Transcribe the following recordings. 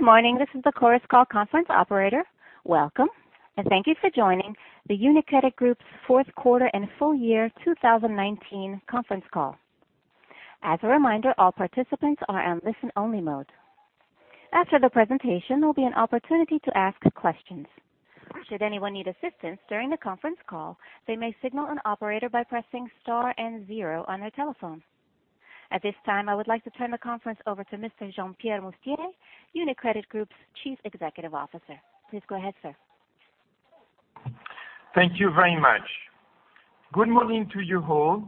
Good morning. This is the Chorus Call conference operator. Welcome, thank you for joining the UniCredit Group's fourth quarter and full year 2019 conference call. As a reminder, all participants are on listen-only mode. After the presentation, there'll be an opportunity to ask questions. Should anyone need assistance during the conference call, they may signal an operator by pressing Star and Zero on their telephone. At this time, I would like to turn the conference over to Mr. Jean-Pierre Mustier, UniCredit Group's Chief Executive Officer. Please go ahead, sir. Thank you very much. Good morning to you all,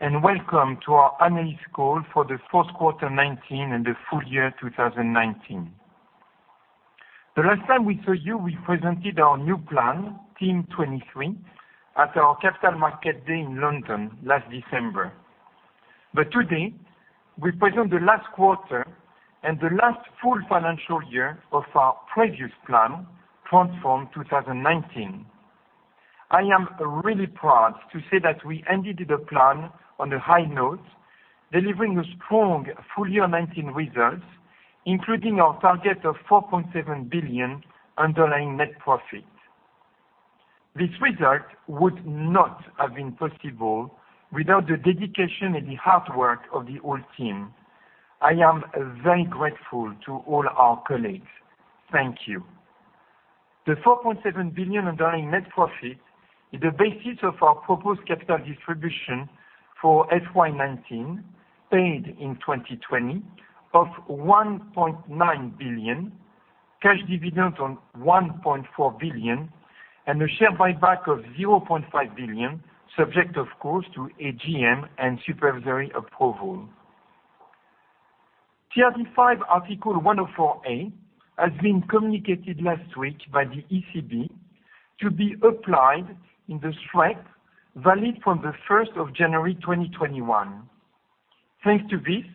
and welcome to our analyst call for the fourth quarter 2019 and the full year 2019. The last time we saw you, we presented our new plan, Team 23, at our Capital Markets Day in London last December. But today, we present the last quarter and the last full financial year of our previous plan, Transform 2019. I am really proud to say that we ended the plan on a high note, delivering a strong full year 2019 results, including our target of 4.7 billion underlying net profit. This result would not have been possible without the dedication and the hard work of the whole team. I am very grateful to all our colleagues. Thank you. The 4.7 billion underlying net profit is the basis of our proposed capital distribution for FY 2019, paid in 2020, of 1.9 billion cash dividends on 1.4 billion and a share buyback of 0.5 billion, subject, of course, to AGM and supervisory approval. CRD V Article 104a has been communicated last week by the ECB to be applied in the SREP valid from the 1st of January 2021. Thanks to this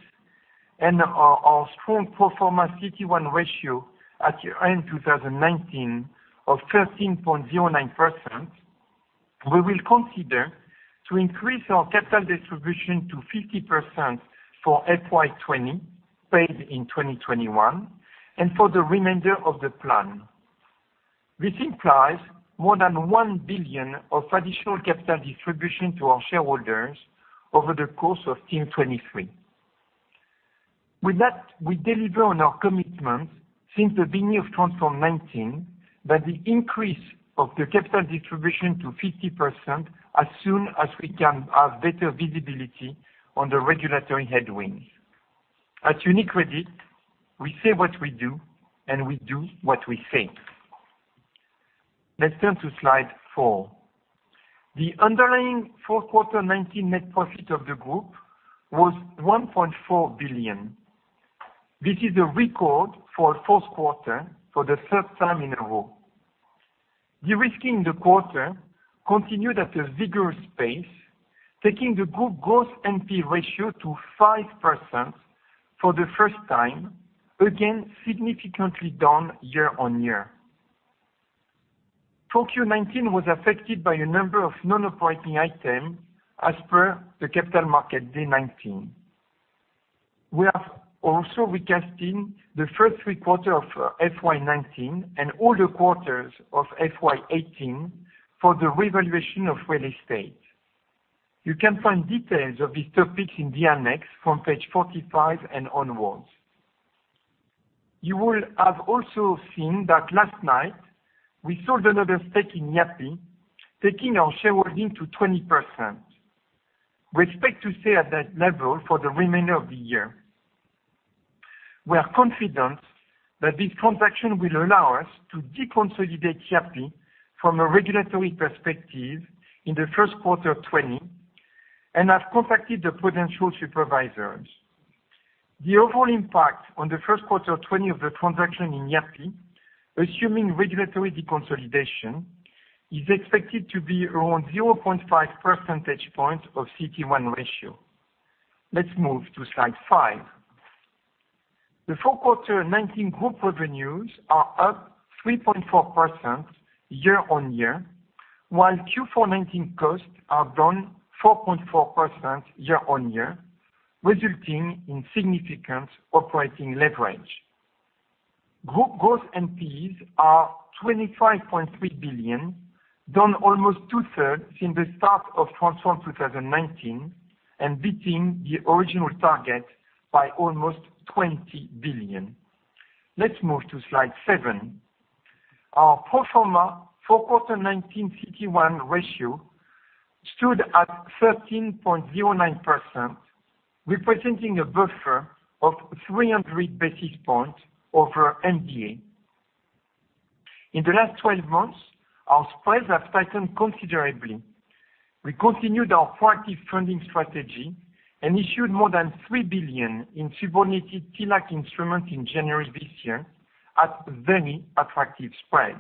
and our strong pro forma CET1 ratio at the end of 2019 of 13.09%, we will consider to increase our capital distribution to 50% for FY 2020, paid in 2021, and for the remainder of the plan. This implies more than 1 billion of additional capital distribution to our shareholders over the course of Team 23. With that, we deliver on our commitment since the beginning of Transform 2019 that the increase of the capital distribution to 50% as soon as we can have better visibility on the regulatory headwind. At UniCredit, we say what we do, and we do what we say. Let's turn to slide four. The underlying fourth quarter 2019 net profit of the group was 1.4 billion. This is a record for a fourth quarter for the third time in a row. De-risking the quarter continued at a vigorous pace, taking the group gross NPE ratio to 5% for the first time, again, significantly down year-on-year. 4Q 2019 was affected by a number of non-operating items as per the Capital Markets Day 2019. We are also recasting the first three quarters of FY 2019 and all the quarters of FY 2018 for the revaluation of real estate. You can find details of these topics in the annex from page 45 and onwards. You will have also seen that last night, we sold another stake in Yapı, taking our shareholding to 20%. We expect to stay at that level for the remainder of the year. We are confident that this transaction will allow us to deconsolidate Yapı from a regulatory perspective in the first quarter of 2020 and have contacted the potential supervisors. The overall impact on the first quarter of 2020 of the transaction in Yapı, assuming regulatory deconsolidation, is expected to be around 0.5 percentage points of CET1 ratio. Let's move to slide five. The full quarter 2019 group revenues are up 3.4% year-on-year, while Q4 2019 costs are down 4.4% year-on-year, resulting in significant operating leverage. Group gross NPEs are 25.3 billion, down almost two-thirds since the start of Transform 2019 and beating the original target by almost 20 billion. Let's move to slide seven. Our pro forma fourth quarter 2019 CET1 ratio stood at 13.09%, representing a buffer of 300 basis points over MDA. In the last 12 months, our spreads have tightened considerably. We continued our proactive funding strategy and issued more than 3 billion in subordinated TLAC instruments in January this year at very attractive spreads.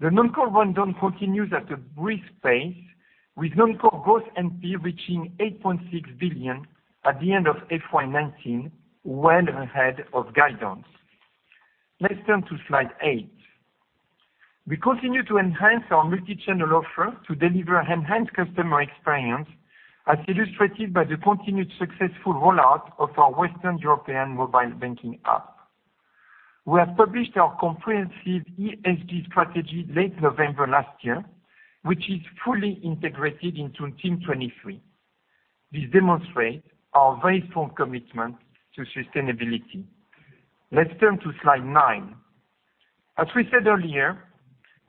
The non-core rundown continues at a brisk pace, with non-core gross NPE reaching 8.6 billion at the end of FY 2019, well ahead of guidance. Let's turn to slide eight. We continue to enhance our multi-channel offer to deliver enhanced customer experience, as illustrated by the continued successful rollout of our Western European mobile banking app. We have published our comprehensive ESG strategy late November last year, which is fully integrated into Team 23. This demonstrates our very firm commitment to sustainability. Let's turn to slide nine. As we said earlier,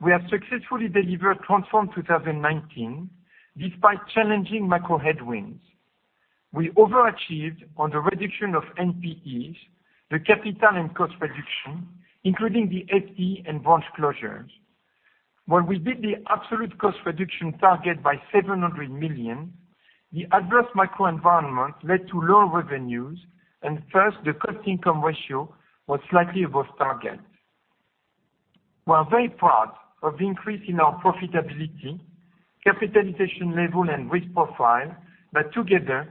we have successfully delivered Transform 2019, despite challenging macro headwinds. We overachieved on the reduction of NPEs, the capital and cost reduction, including the FTE and branch closures. While we beat the absolute cost reduction target by 700 million, the adverse macro environment led to lower revenues, thus, the cost-income ratio was slightly above target. We are very proud of the increase in our profitability, capitalization level, and risk profile, that together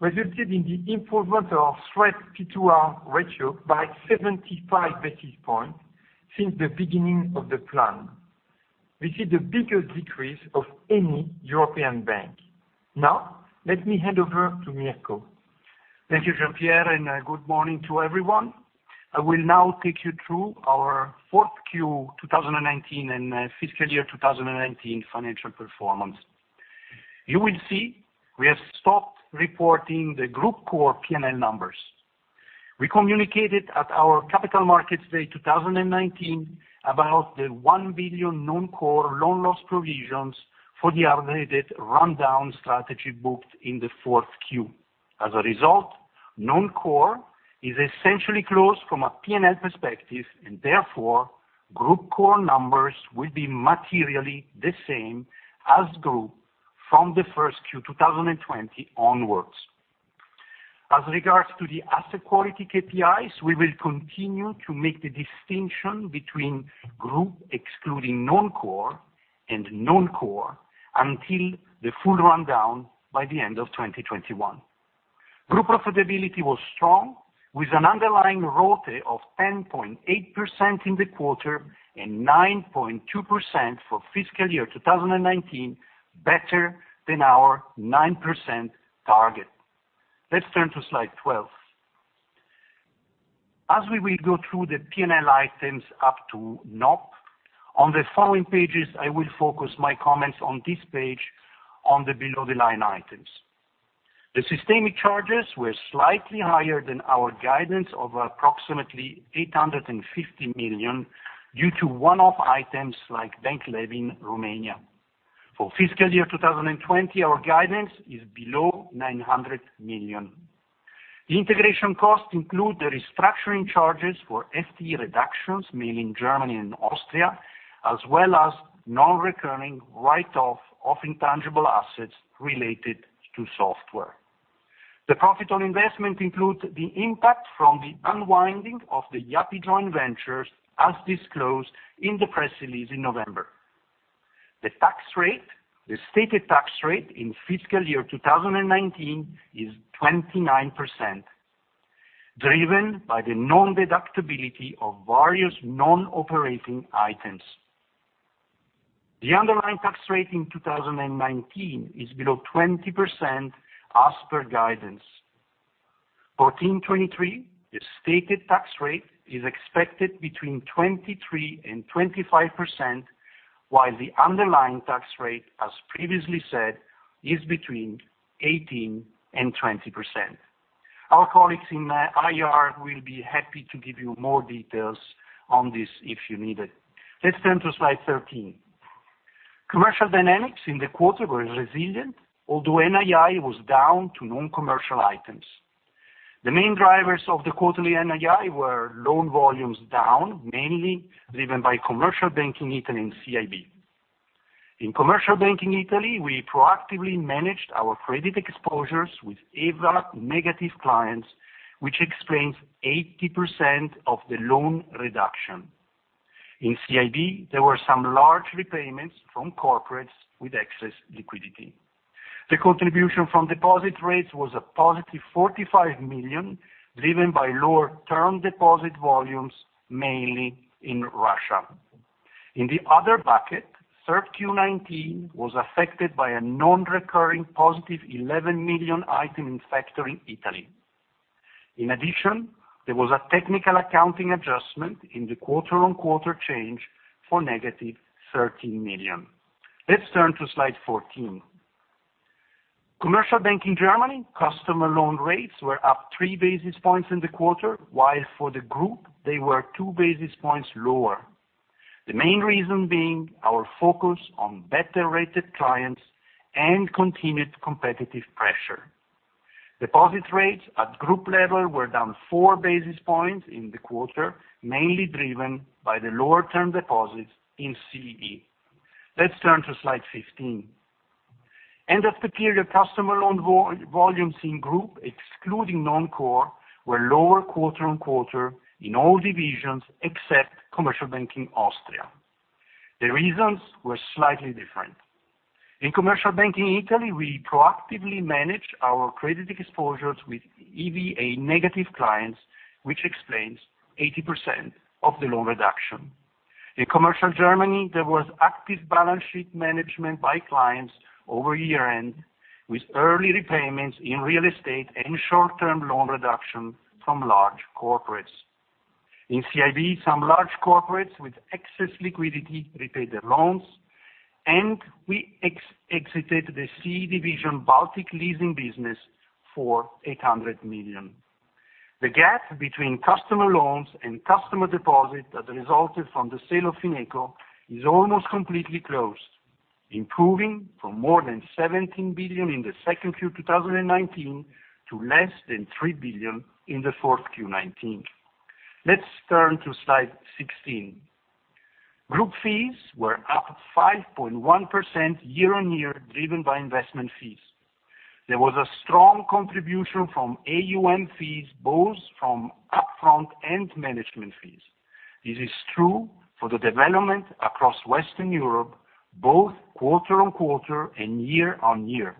resulted in the improvement of our FRED PIR ratio by 75 basis points since the beginning of the plan, which is the biggest decrease of any European bank. Now, let me hand over to Mirko. Thank you, Jean-Pierre, and good morning to everyone. I will now take you through our fourth Q 2019 and fiscal year 2019 financial performance. You will see we have stopped reporting the group core P&L numbers. We communicated at our Capital Markets Day 2019 about the 1 billion non-core loan loss provisions for the upgraded rundown strategy booked in the fourth Q. As a result, non-core is essentially closed from a P&L perspective, and therefore, group core numbers will be materially the same as group from the first Q 2020 onwards. As regards to the asset quality KPIs, we will continue to make the distinction between group excluding non-core and non-core until the full rundown by the end of 2021. Group profitability was strong, with an underlying ROTE of 10.8% in the quarter and 9.2% for fiscal year 2019, better than our 9% target. Let's turn to slide 12. As we will go through the P&L items up to NOP, on the following pages, I will focus my comments on this page on the below-the-line items. The systemic charges were slightly higher than our guidance of approximately 850 million due to one-off items like Bank Leumi, Romania. For fiscal year 2020, our guidance is below 900 million. The integration costs include the restructuring charges for FTE reductions, mainly in Germany and Austria, as well as non-recurring write-off of intangible assets related to software. The profit on investment includes the impact from the unwinding of the Yapı joint ventures, as disclosed in the press release in November. The stated tax rate in fiscal year 2019 is 29%, driven by the non-deductibility of various non-operating items. The underlying tax rate in 2019 is below 20%, as per guidance. For Team 23, the stated tax rate is expected between 23%-25%, while the underlying tax rate, as previously said, is between 18%-20%. Our colleagues in IR will be happy to give you more details on this if you need it. Let's turn to slide 13. Commercial dynamics in the quarter were resilient, although NII was down to non-commercial items. The main drivers of the quarterly NII were loan volumes down, mainly driven by Commercial Banking Italy and CIB. In Commercial Banking Italy, we proactively managed our credit exposures with EVA negative clients, which explains 80% of the loan reduction. In CIB, there were some large repayments from corporates with excess liquidity. The contribution from deposit rates was a +45 million, driven by lower term deposit volumes, mainly in Russia. In the other bucket, third Q19 was affected by a non-recurring +11 million item in factoring Italy. There was a technical accounting adjustment in the quarter-on-quarter change for -13 million. Let's turn to slide 14. Commercial Banking Germany, customer loan rates were up three basis points in the quarter, while for the group, they were two basis points lower. The main reason being our focus on better-rated clients and continued competitive pressure. Deposit rates at group level were down four basis points in the quarter, mainly driven by the lower term deposits in CIB. Let's turn to slide 15. End-of-period customer loan volumes in group, excluding non-core, were lower quarter-on-quarter in all divisions except Commercial Banking Austria. The reasons were slightly different. In Commercial Banking Italy, we proactively managed our credit exposures with EVA-negative clients, which explains 80% of the loan reduction. In Commercial Germany, there was active balance sheet management by clients over year-end, with early repayments in real estate and short-term loan reduction from large corporates. In CIB, some large corporates with excess liquidity repaid their loans, and we exited the CIB division Baltic leasing business for 800 million. The gap between customer loans and customer deposits that resulted from the sale of Fineco is almost completely closed, improving from more than 17 billion in the second Q 2019 to less than 3 billion in the fourth Q 2019. Let's turn to slide 16. Group fees were up 5.1% year-on-year, driven by investment fees. There was a strong contribution from AUM fees, both from upfront and management fees. This is true for the development across Western Europe, both quarter-on-quarter and year-on-year.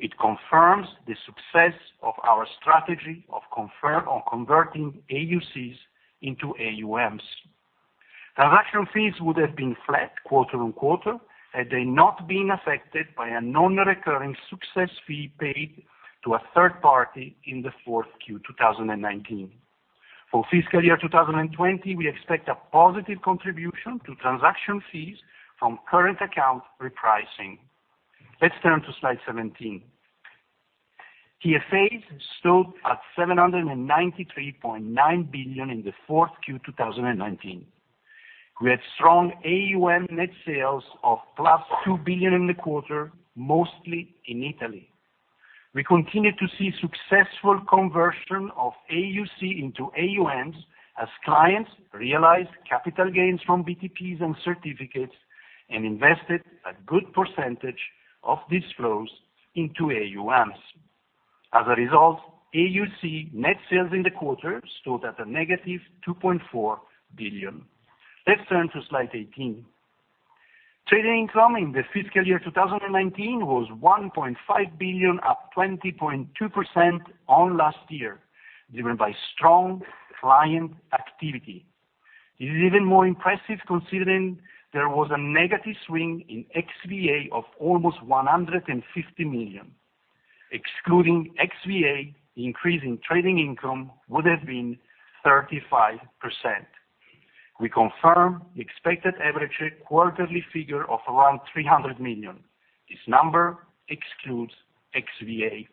It confirms the success of our strategy of converting AUCs into AUMs. Transaction fees would have been flat quarter-on-quarter, had they not been affected by a non-recurring success fee paid to a third party in the fourth Q2019. For fiscal year 2020, we expect a positive contribution to transaction fees from current account repricing. Let's turn to slide 17. TFAs stood at 793.9 billion in the fourth Q2019. We had strong AUM net sales of +2 billion in the quarter, mostly in Italy. We continued to see successful conversion of AUC into AUMs as clients realized capital gains from BTPs and certificates and invested a good percentage of these flows into AUMs. As a result, AUC net sales in the quarter stood at a -2.4 billion. Let's turn to slide 18. Trading income in the fiscal year 2019 was 1.5 billion, up 20.2% on last year, driven by strong client activity. This is even more impressive considering there was a negative swing in XVA of almost 150 million. Excluding XVA, the increase in trading income would have been 35%. We confirm the expected average quarterly figure of around 300 million. This number excludes XVA.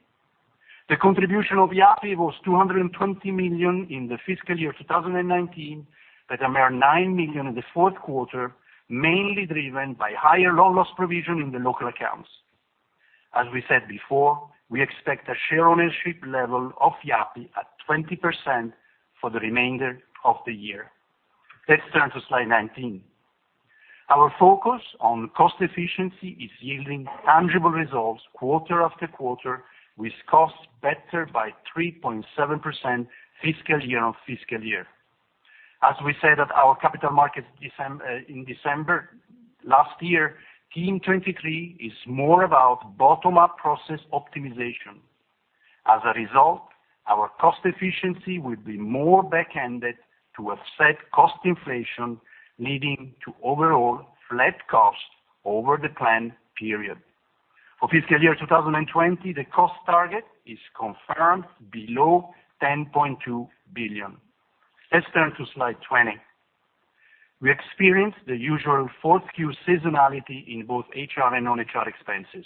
The contribution of Yapı was 220 million in the fiscal year 2019, but a mere 9 million in the fourth quarter, mainly driven by higher loan loss provision in the local accounts. As we said before, we expect a share ownership level of Yapı at 20% for the remainder of the year. Let's turn to slide 19. Our focus on cost efficiency is yielding tangible results quarter after quarter, with costs better by 3.7% fiscal year-on-fiscal year. As we said at our Capital Markets Day in December last year, Team 23 is more about bottom-up process optimization. As a result, our cost efficiency will be more back-ended to offset cost inflation, leading to overall flat costs over the plan period. For fiscal year 2020, the cost target is confirmed below 10.2 billion. Let's turn to slide 20. We experienced the usual fourth Q seasonality in both HR and non-HR expenses.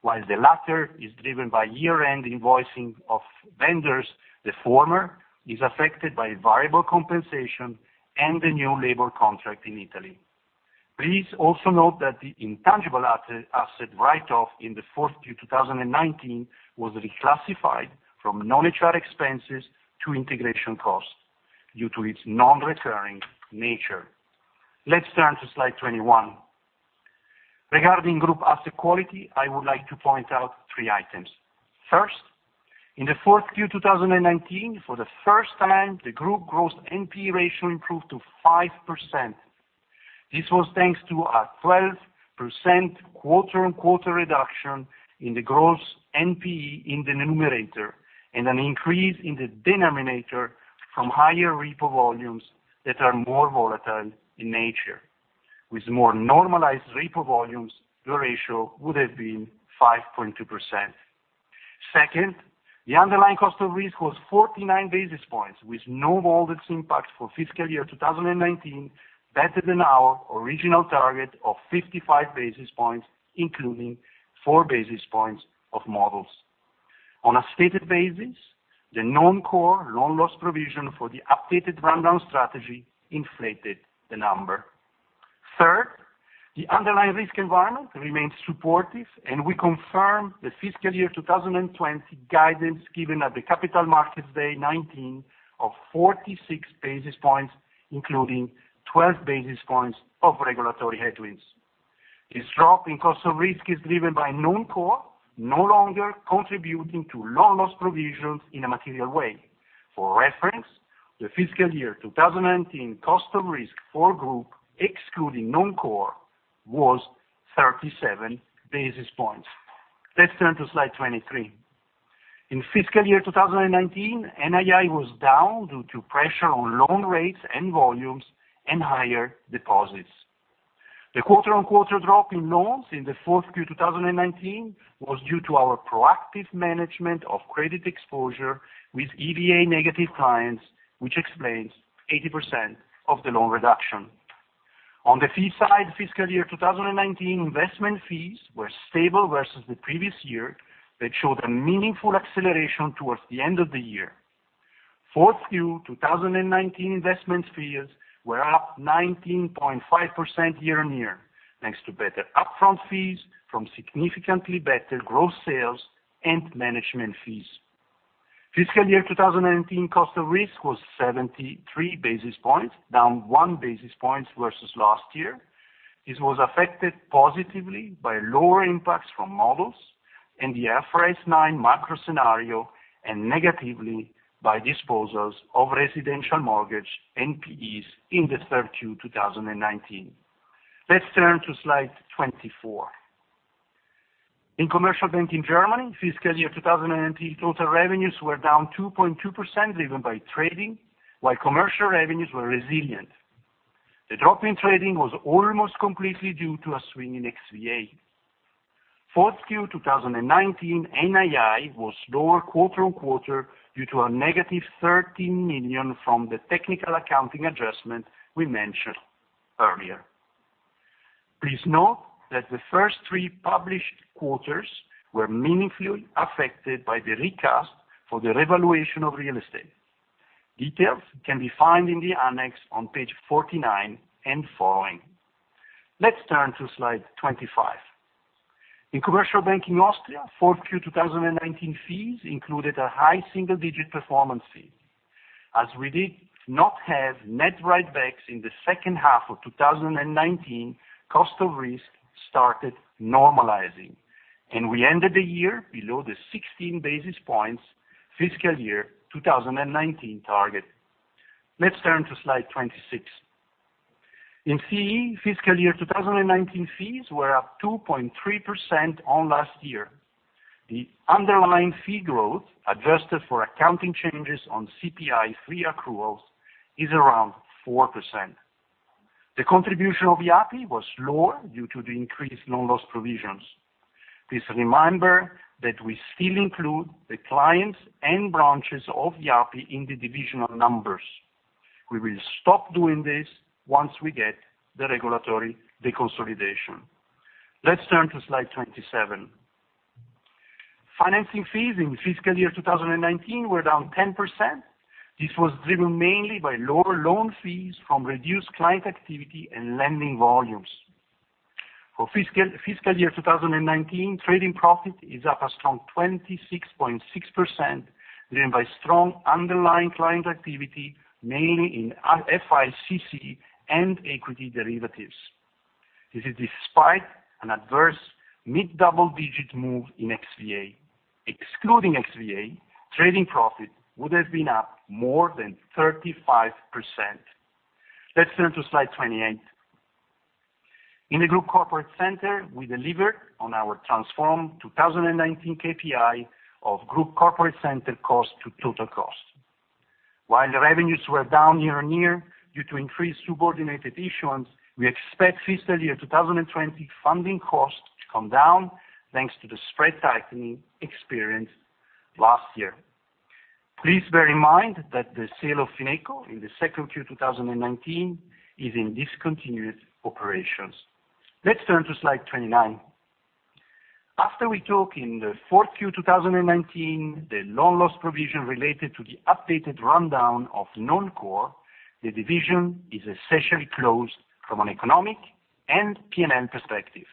While the latter is driven by year-end invoicing of vendors, the former is affected by variable compensation and the new labor contract in Italy. Please also note that the intangible asset write-off in the fourth Q 2019 was reclassified from non-HR expenses to integration costs due to its non-recurring nature. Let's turn to slide 21. Regarding group asset quality, I would like to point out three items. First, in the fourth Q 2019, for the first time, the group gross NPE ratio improved to 5%. This was thanks to a 12% quarter-on-quarter reduction in the gross NPE in the numerator, and an increase in the denominator from higher repo volumes that are more volatile in nature. With more normalized repo volumes, the ratio would have been 5.2%. Second, the underlying cost of risk was 49 basis points, with no models impact for fiscal year 2019, better than our original target of 55 basis points, including four basis points of models. On a stated basis, the non-core loan loss provision for the updated rundown strategy inflated the number. Third, the underlying risk environment remains supportive, and we confirm the fiscal year 2020 guidance given at the Capital Markets Day 2019 of 46 basis points, including 12 basis points of regulatory headwinds. This drop in cost of risk is driven by non-core no longer contributing to loan loss provisions in a material way. For reference, the FY 2019 cost of risk for group excluding non-core was 37 basis points. Let's turn to slide 23. In FY 2019, NII was down due to pressure on loan rates and volumes and higher deposits. The quarter-on-quarter drop in loans in the fourth Q 2019 was due to our proactive management of credit exposure with EVA negative clients, which explains 80% of the loan reduction. On the fee side, FY 2019 investment fees were stable versus the previous year that showed a meaningful acceleration towards the end of the year. Fourth Q 2019 investments fees were up 19.5% year-on-year, thanks to better upfront fees from significantly better gross sales and management fees. FY 2019 cost of risk was 73 basis points, down one basis point versus last year. This was affected positively by lower impacts from models and the IFRS 9 macro scenario, and negatively by disposals of residential mortgage NPEs in the third Q2019. Let's turn to slide 24. In Commercial Banking Germany, fiscal year 2019 total revenues were down 2.2%, driven by trading, while commercial revenues were resilient. The drop in trading was almost completely due to a swing in XVA. Fourth Q2019 NII was lower quarter-on-quarter due to a -13 million from the technical accounting adjustment we mentioned earlier. Please note that the first three published quarters were meaningfully affected by the recast for the revaluation of real estate. Details can be found in the annex on page 49 and following. Let's turn to slide 25. In Commercial Banking Austria, fourth Q2019 fees included a high single-digit performance fee. As we did not have net write-backs in the second half of 2019, cost of risk started normalizing, and we ended the year below the 16 basis points fiscal year 2019 target. Let's turn to slide 26. In CEE, fiscal year 2019 fees were up 2.3% on last year. The underlying fee growth, adjusted for accounting changes on CPI3 accruals, is around 4%. The contribution of Yapı was lower due to the increased loan loss provisions. Please remember that we still include the clients and branches of Yapı in the divisional numbers. We will stop doing this once we get the regulatory deconsolidation. Let's turn to slide 27. Financing fees in fiscal year 2019 were down 10%. This was driven mainly by lower loan fees from reduced client activity and lending volumes. For fiscal year 2019, trading profit is up a strong 26.6%, driven by strong underlying client activity, mainly in FICC and equity derivatives. This is despite an adverse mid-double-digit move in XVA. Excluding XVA, trading profit would have been up more than 35%. Let's turn to slide 28. In the Group Corporate Center, we delivered on our Transform 2019 KPI of Group Corporate Center cost to total cost. While the revenues were down year-on-year due to increased subordinated issuance, we expect fiscal year 2020 funding costs to come down, thanks to the spread tightening experienced last year. Please bear in mind that the sale of Fineco in the second Q2019 is in discontinued operations. Let's turn to slide 29. After we took in the fourth Q2019 the loan loss provision related to the updated rundown of non-core, the division is essentially closed from an economic and P&L perspective.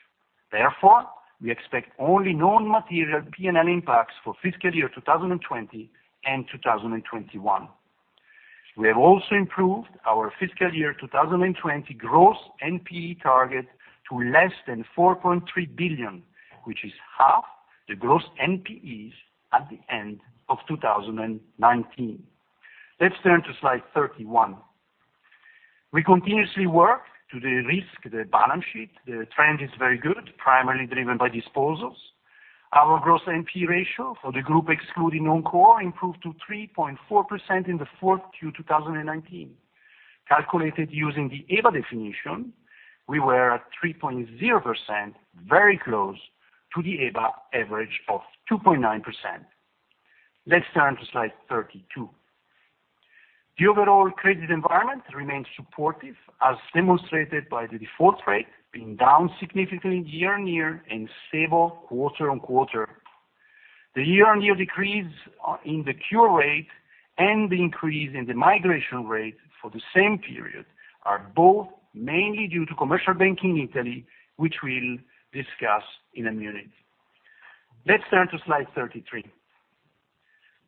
Therefore, we expect only non-material P&L impacts for fiscal year 2020 and 2021. We have also improved our fiscal year 2020 gross NPE target to less than 4.3 billion, which is half the gross NPEs at the end of 2019. Let's turn to slide 31. We continuously work to de-risk the balance sheet. The trend is very good, primarily driven by disposals. Our gross NPE ratio for the group excluding non-core improved to 3.4% in 4Q 2019. Calculated using the EBA definition, we were at 3.0%, very close to the EBA average of 2.9%. Let's turn to slide 32. The overall credit environment remains supportive, as demonstrated by the default rate being down significantly year-on-year and stable quarter-on-quarter. The year-on-year decrease in the cure rate and the increase in the migration rate for the same period are both mainly due to Commercial Banking Italy, which we'll discuss in a minute. Let's turn to slide 33.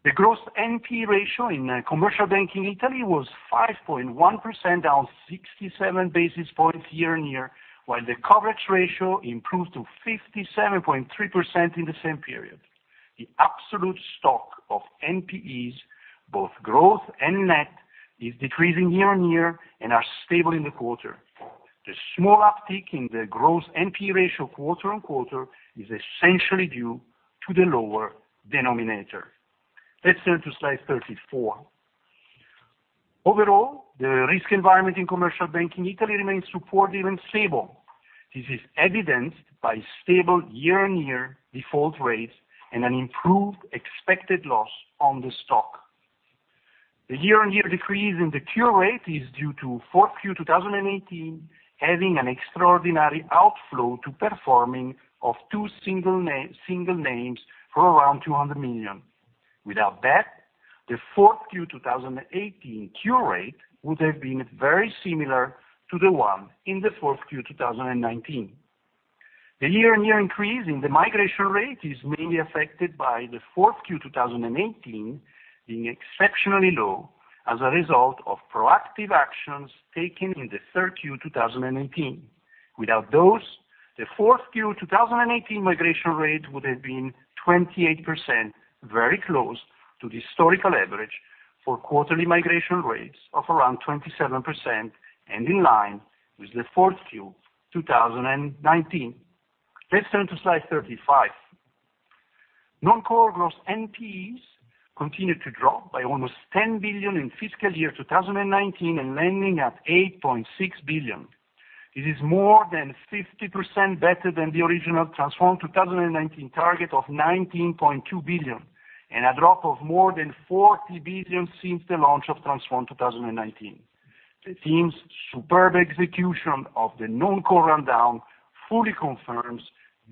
The gross NPE ratio in Commercial Banking Italy was 5.1%, down 67 basis points year-on-year, while the coverage ratio improved to 57.3% in the same period. The absolute stock of NPEs, both growth and net, is decreasing year-on-year and are stable in the quarter. The small uptick in the gross NPE ratio quarter-on-quarter is essentially due to the lower denominator. Let's turn to slide 34. Overall, the risk environment in Commercial Banking Italy remains supported and stable. This is evidenced by stable year-on-year default rates and an improved expected loss on the stock. The year-on-year decrease in the cure rate is due to fourth Q 2018 having an extraordinary outflow to performing of two single names for around 200 million. Without that, the fourth Q 2018 cure rate would have been very similar to the one in the fourth Q 2019. The year-on-year increase in the migration rate is mainly affected by the fourth Q 2018 being exceptionally low as a result of proactive actions taken in the third Q 2018. Without those, the fourth Q 2018 migration rate would have been 28%, very close to the historical average for quarterly migration rates of around 27% and in line with the fourth Q 2019. Let's turn to slide 35. Non-core gross NPEs continued to drop by almost 10 billion in fiscal year 2019 and landing at 8.6 billion. It is more than 50% better than the original Transform 2019 target of 19.2 billion and a drop of more than 40 billion since the launch of Transform 2019. The team's superb execution of the non-core rundown fully confirms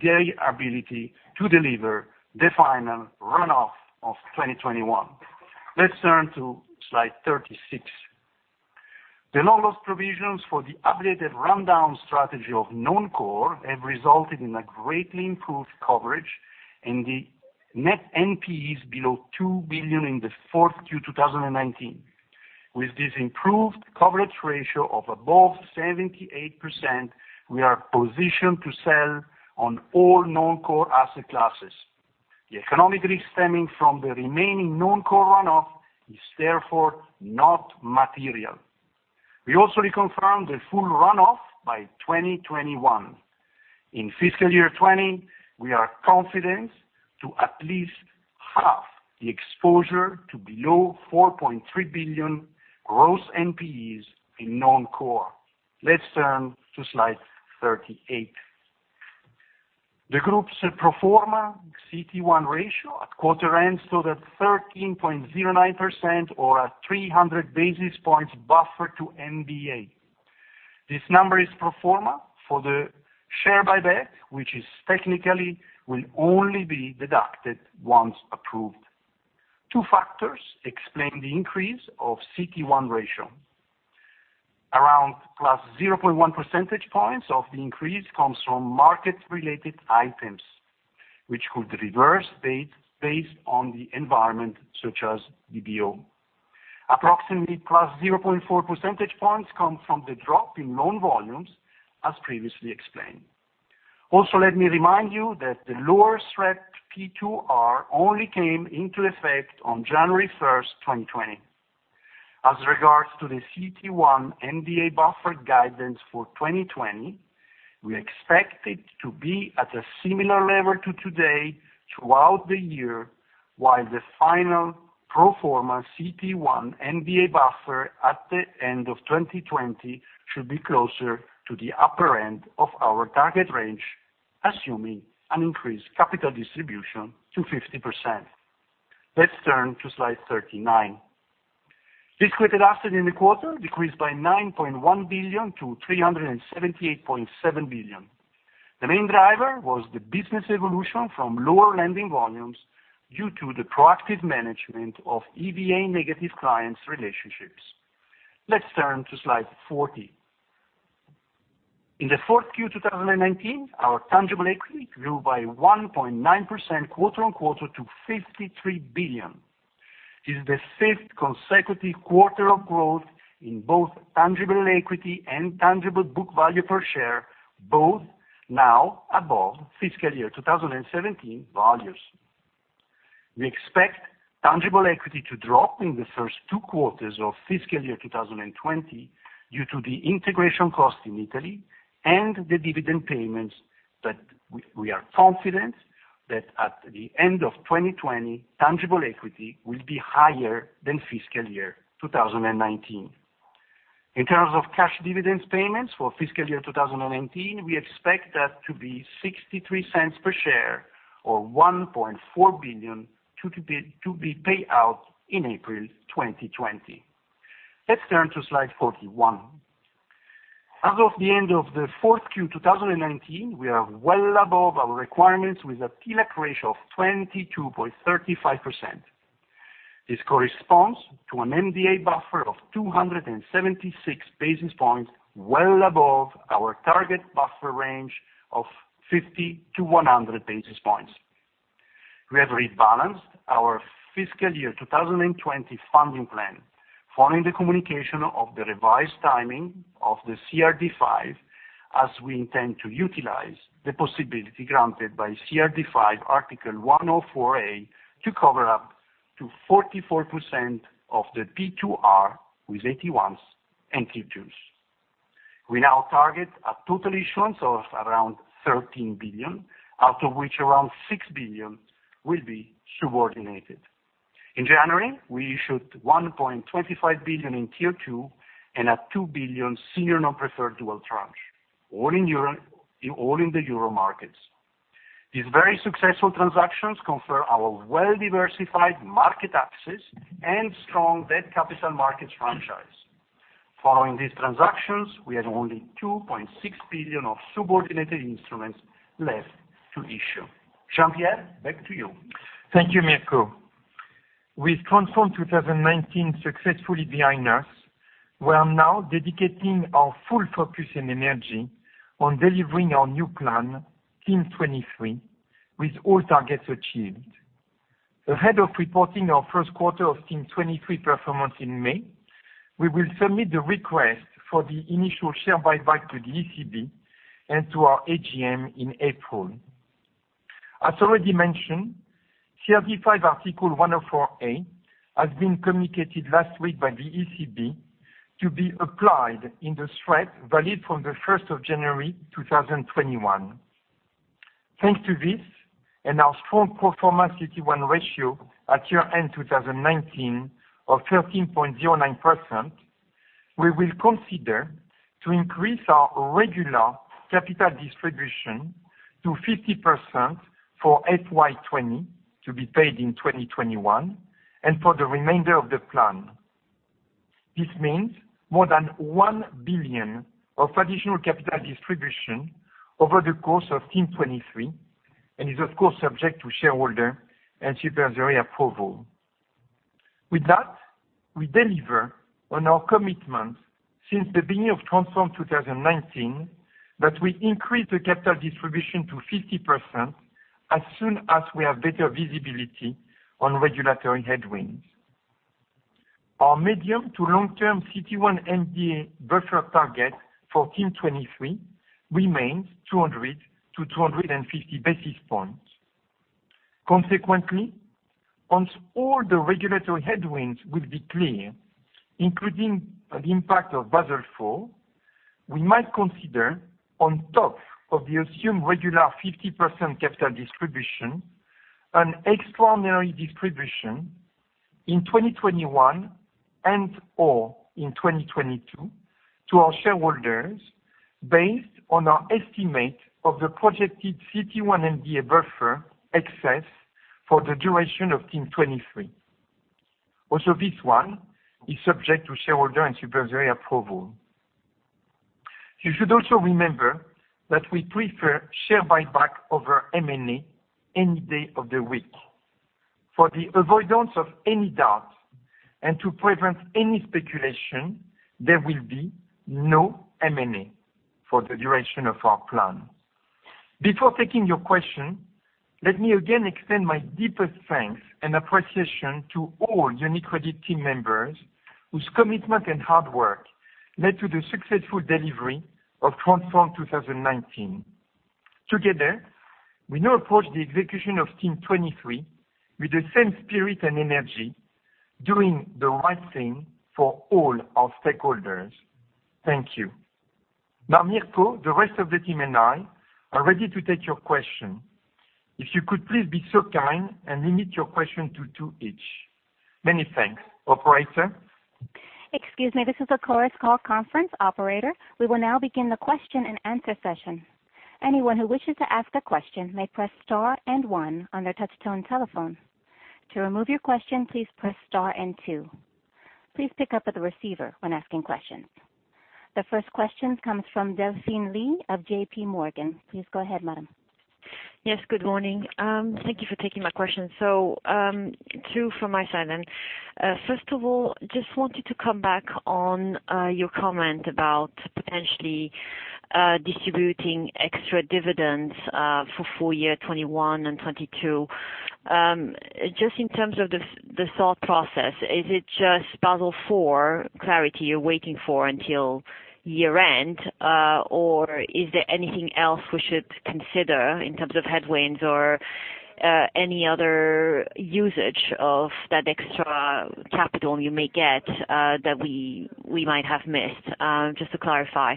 their ability to deliver the final runoff of 2021. Let's turn to slide 36. The non-loss provisions for the updated rundown strategy of non-core have resulted in a greatly improved coverage in the net NPEs below 2 billion in the fourth Q 2019. With this improved coverage ratio of above 78%, we are positioned to sell on all non-core asset classes. The economic risk stemming from the remaining non-core runoff is therefore not material. We also reconfirm the full runoff by 2021. In fiscal year 2020, we are confident to at least half the exposure to below 4.3 billion gross NPEs in non-core. Let's turn to slide 38. The group's pro forma CET1 ratio at quarter end stood at 13.09% or at 300 basis points buffer to MDA. This number is pro forma for the share buyback, which is technically will only be deducted once approved. Two factors explain the increase of CET1 ratio. Around +0.1 percentage points of the increase comes from market-related items, which could reverse based on the environment such as DBO. Approximately +0.4 percentage points come from the drop in loan volumes, as previously explained. Let me remind you that the lower SREP P2R only came into effect on January 1st, 2020. As regards to the CET1 MDA buffer guidance for 2020, we expect it to be at a similar level to today throughout the year, while the final pro forma CET1 MDA buffer at the end of 2020 should be closer to the upper end of our target range, assuming an increased capital distribution to 50%. Let's turn to slide 39. Risk-weighted asset in the quarter decreased by 9.1 billion to 378.7 billion. The main driver was the business evolution from lower lending volumes due to the proactive management of EVA negative clients' relationships. Let's turn to slide 40. In the 4Q 2019, our tangible equity grew by 1.9% quarter-on-quarter to 53 billion. This is the fifth consecutive quarter of growth in both tangible equity and tangible book value per share, both now above FY 2017 values. We expect tangible equity to drop in the first two quarters of fiscal year 2020 due to the integration cost in Italy and the dividend payments that we are confident that at the end of 2020, tangible equity will be higher than fiscal year 2019. In terms of cash dividends payments for fiscal year 2019, we expect that to be 0.63 per share or 1.4 billion to be paid out in April 2020. Let's turn to slide 41. As of the end of the fourth Q2019, we are well above our requirements with a TLAC ratio of 22.35%. This corresponds to an MDA buffer of 276 basis points, well above our target buffer range of 50-100 basis points. We have rebalanced our fiscal year 2020 funding plan following the communication of the revised timing of the CRD V, as we intend to utilize the possibility granted by CRD V, Article 104a, to cover up to 44% of the P2R with AT1s and Tier 2s. We now target a total issuance of around 13 billion, out of which around 6 billion will be subordinated. In January, we issued 1.25 billion in Tier 2 and a 2 billion senior non-preferred dual tranche, all in the Euro markets. These very successful transactions confirm our well-diversified market access and strong debt capital markets franchise. Following these transactions, we had only 2.6 billion of subordinated instruments left to issue. Jean-Pierre, back to you. Thank you, Mirko. With Transform 2019 successfully behind us, we are now dedicating our full focus and energy on delivering our new plan, Team 23, with all targets achieved. Ahead of reporting our first quarter of Team 23 performance in May, we will submit the request for the initial share buyback to the ECB and to our AGM in April. As already mentioned, CRD V, Article 104a, has been communicated last week by the ECB to be applied in the thread valid from the 1st of January 2021. Thanks to this and our strong proforma CET1 ratio at year-end 2019 of 13.09%, we will consider to increase our regular capital distribution to 50% for FY 2020 to be paid in 2021 and for the remainder of the plan. This means more than 1 billion of additional capital distribution over the course of Team 23 and is, of course, subject to shareholder and supervisory approval. With that, we deliver on our commitment since the beginning of Transform 2019, that we increase the capital distribution to 50% as soon as we have better visibility on regulatory headwinds. Our medium to long-term CET1 MDA buffer target for Team 23 remains 200-250 basis points. Consequently, once all the regulatory headwinds will be clear, including the impact of Basel IV, we might consider on top of the assumed regular 50% capital distribution, an extraordinary distribution in 2021 and/or in 2022 to our shareholders based on our estimate of the projected CET1 MDA buffer excess for the duration of Team 23. Also, this one is subject to shareholder and supervisory approval. You should also remember that we prefer share buyback over M&A any day of the week. For the avoidance of any doubt and to prevent any speculation, there will be no M&A for the duration of our plan. Before taking your question, let me again extend my deepest thanks and appreciation to all UniCredit team members whose commitment and hard work led to the successful delivery of Transform 2019. Together, we now approach the execution of Team 23 with the same spirit and energy, doing the right thing for all our stakeholders. Thank you. Now, Mirko, the rest of the team and I are ready to take your question. If you could please be so kind and limit your question to two each. Many thanks. Operator? Excuse me. This is the Chorus Call Conference Operator. We will now begin the question and answer session. Anyone who wishes to ask a question may press star and one on their touch-tone telephone. To remove your question, please press star and two. Please pick up at the receiver when asking questions. The first question comes from Delphine Lee of JPMorgan. Please go ahead, madam. Yes, good morning. Thank you for taking my question. Two from my side. First of all, just wanted to come back on your comment about potentially distributing extra dividends for full year 2021 and 2022. Just in terms of the thought process, is it just Basel IV clarity you're waiting for until year-end? Is there anything else we should consider in terms of headwinds or any other usage of that extra capital you may get, that we might have missed? Just to clarify.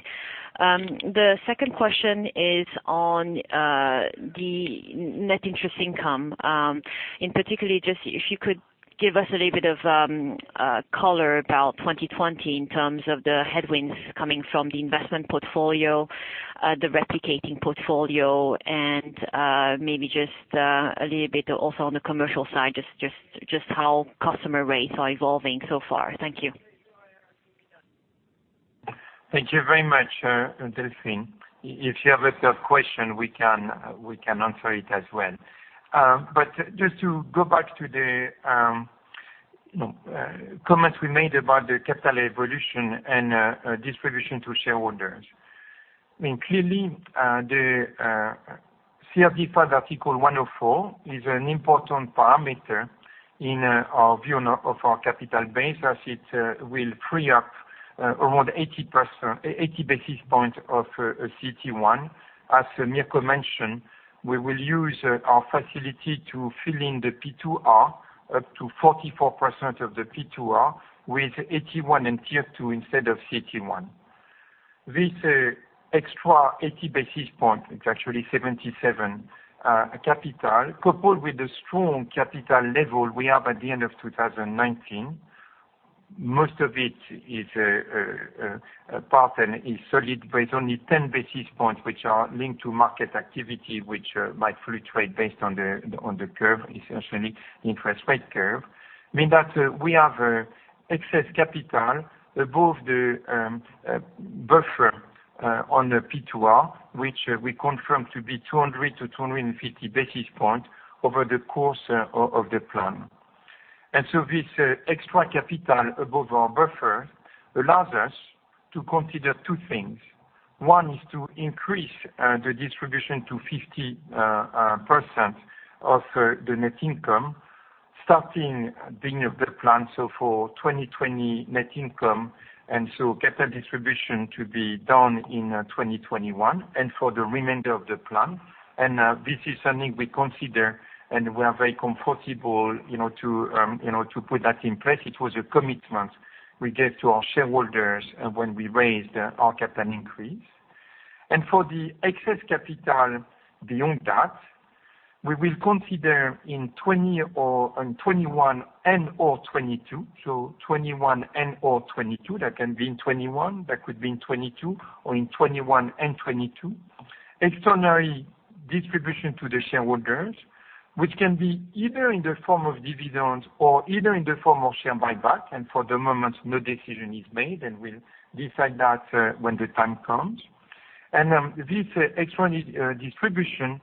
The second question is on the net interest income. In particular, if you could give us a little bit of color about 2020 in terms of the headwinds coming from the investment portfolio, the replicating portfolio, and maybe just a little bit also on the commercial side, just how customer rates are evolving so far. Thank you. Thank you very much, Delphine. If you have a third question, we can answer it as well. Just to go back to the comments we made about the capital evolution and distribution to shareholders. Clearly, the CRD IV Article 104a is an important parameter in our view of our capital base as it will free up around 80 basis point of CET1. As Mirko mentioned, we will use our facility to fill in the P2R up to 44% of the P2R with AT1 and Tier 2 instead of CET1. This extra 80 basis point, it's actually 77 capital, coupled with the strong capital level we have at the end of 2019. Most of it is a part and is solid, but it's only 10 basis points which are linked to market activity, which might fluctuate based on the curve, essentially interest rate curve. Mean that we have excess capital above the buffer on the P2R, which we confirm to be 200-250 basis points over the course of the plan. This extra capital above our buffer allows us to consider two things. One is to increase the distribution to 50% of the net income, starting beginning of the plan, so for 2020 net income, and so capital distribution to be done in 2021 and for the remainder of the plan. This is something we consider, and we are very comfortable to put that in place. It was a commitment we gave to our shareholders when we raised our capital increase. For the excess capital beyond that, we will consider in 2020 or 2021 and/or 2022, so 2021 and/or 2022, that can be in 2021, that could be in 2022, or in 2021 and 2022, extraordinary distribution to the shareholders, which can be either in the form of dividends or either in the form of share buyback. For the moment, no decision is made, and we'll decide that when the time comes. This extraordinary distribution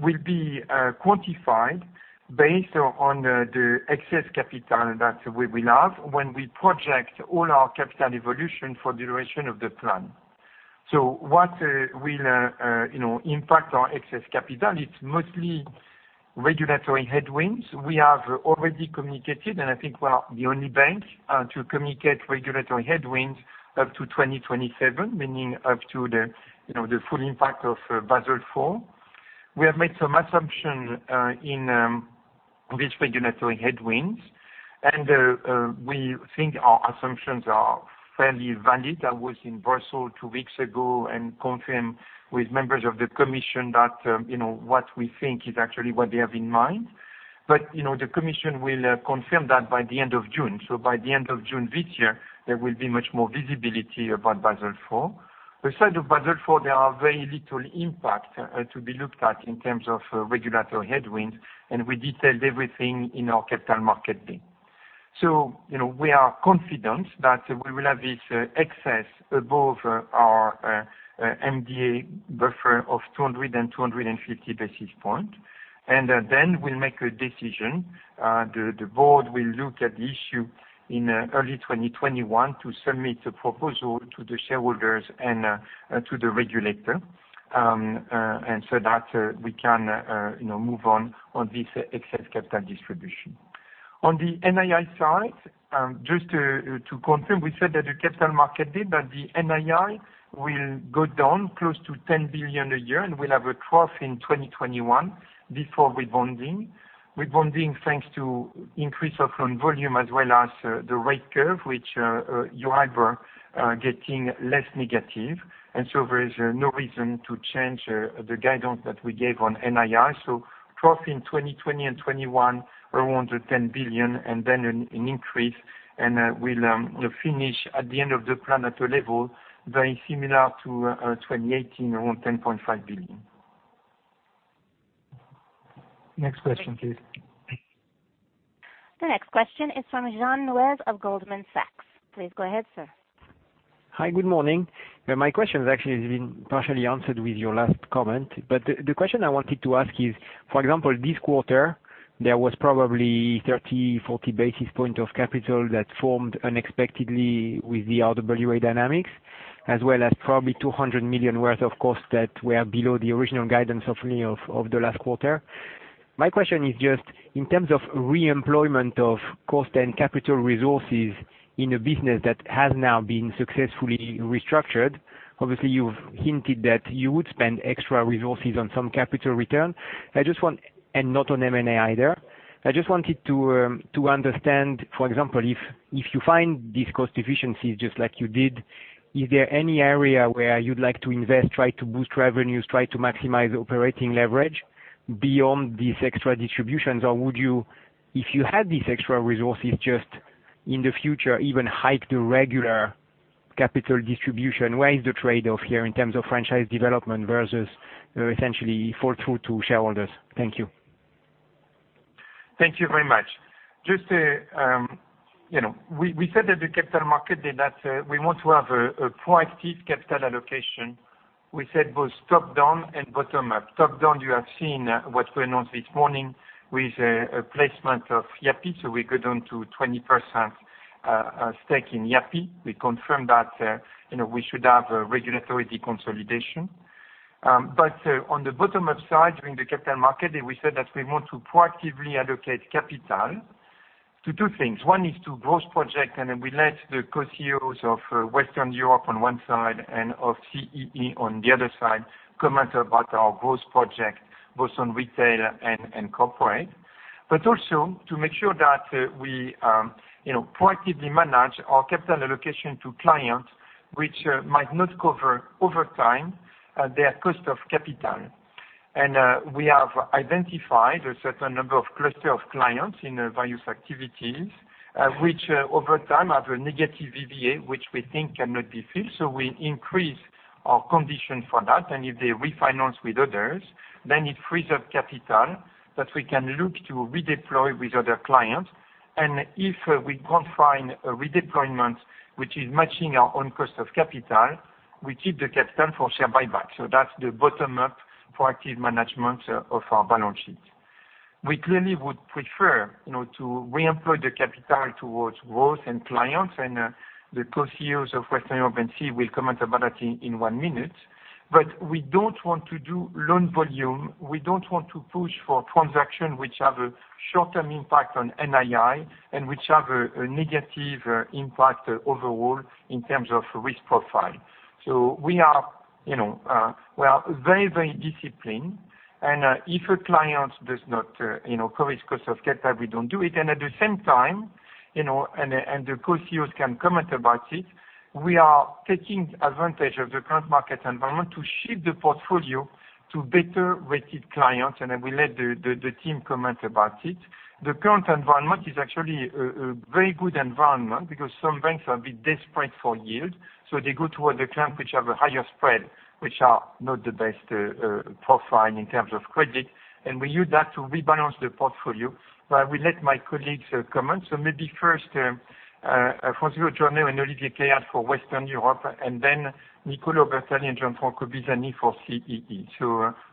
will be quantified based on the excess capital that we will have when we project all our capital evolution for the duration of the plan. What will impact our excess capital? It's mostly regulatory headwinds. We have already communicated, and I think we are the only bank to communicate regulatory headwinds up to 2027, meaning up to the full impact of Basel IV. We have made some assumption in these regulatory headwinds, and we think our assumptions are fairly valid. I was in Brussels two weeks ago and confirmed with members of the commission that what we think is actually what they have in mind. The commission will confirm that by the end of June. By the end of June this year, there will be much more visibility about Basel IV. Outside of Basel IV, there are very little impact to be looked at in terms of regulatory headwinds, and we detailed everything in our Capital Markets Day. We are confident that we will have this excess above our MDA buffer of 200 and 250 basis point. Then we'll make a decision. The board will look at the issue in early 2021 to submit a proposal to the shareholders and to the regulator, and so that we can move on this excess capital distribution. On the NII side, just to confirm, we said that the Capital Markets Day that the NII will go down close to 10 billion a year, and we'll have a trough in 2021 before rebounding. Rebounding thanks to increase of loan volume as well as the rate curve, which you either are getting less negative, and so there is no reason to change the guidance that we gave on NII. Trough in 2020 and 2021, around 10 billion, and then an increase, and we'll finish at the end of the plan at a level very similar to 2018, around 10.5 billion. Next question, please. The next question is from Jernej Omahen of Goldman Sachs. Please go ahead, sir. Hi, good morning. My question has actually been partially answered with your last comment. The question I wanted to ask is, for example, this quarter, there was probably 30, 40 basis points of capital that formed unexpectedly with the RWA dynamics, as well as probably 200 million worth of costs that were below the original guidance certainly of the last quarter. My question is just in terms of re-employment of cost and capital resources in a business that has now been successfully restructured. Obviously, you've hinted that you would spend extra resources on some capital return, and not on M&A either. I just wanted to understand, for example, if you find these cost efficiencies just like you did, is there any area where you'd like to invest, try to boost revenues, try to maximize operating leverage beyond these extra distributions? Would you, if you had these extra resources, just in the future, even hike the regular capital distribution? Where is the trade-off here in terms of franchise development versus essentially fall through to shareholders? Thank you. Thank you very much. We said that the Capital Markets Day. We want to have a proactive capital allocation. We said both top-down and bottom-up. Top-down, you have seen what we announced this morning with a placement of Yapı, so we go down to 20% stake in Yapı. We confirmed that we should have a regulatory deconsolidation. On the bottom-up side, during the Capital Markets Day, we said that we want to proactively allocate capital to two things. One is to growth project, and then we let the Co-CEOs of Western Europe on one side and of CEE on the other side comment about our growth project, both on retail and corporate, but also to make sure that we proactively manage our capital allocation to clients, which might not cover over time their cost of capital. We have identified a certain number of cluster of clients in various activities, which over time have a negative EVA, which we think cannot be filled. We increase our condition for that, if they refinance with others, it frees up capital that we can look to redeploy with other clients. If we can't find a redeployment, which is matching our own cost of capital, we keep the capital for share buyback. That's the bottom-up proactive management of our balance sheet. We clearly would prefer to reemploy the capital towards growth and clients. The Co-CEOs of Western Europe and CEE will comment about it in one minute. We don't want to do loan volume, we don't want to push for transaction which have a short-term impact on NII, which have a negative impact overall in terms of risk profile. We are very disciplined, and if a client does not cover his cost of capital, we don't do it, and at the same time, and the Co-CEOs can comment about it, we are taking advantage of the current market environment to shift the portfolio to better-rated clients, and I will let the team comment about it. The current environment is actually a very good environment because some banks are a bit desperate for yield, so they go toward the clients which have a higher spread, which are not the best profile in terms of credit, and we use that to rebalance the portfolio. I will let my colleagues comment. Maybe first, Francesco Giordano and Olivier Khayat for Western Europe, and then Niccolò Ubertalli and Gianfranco Bisagni for CEE.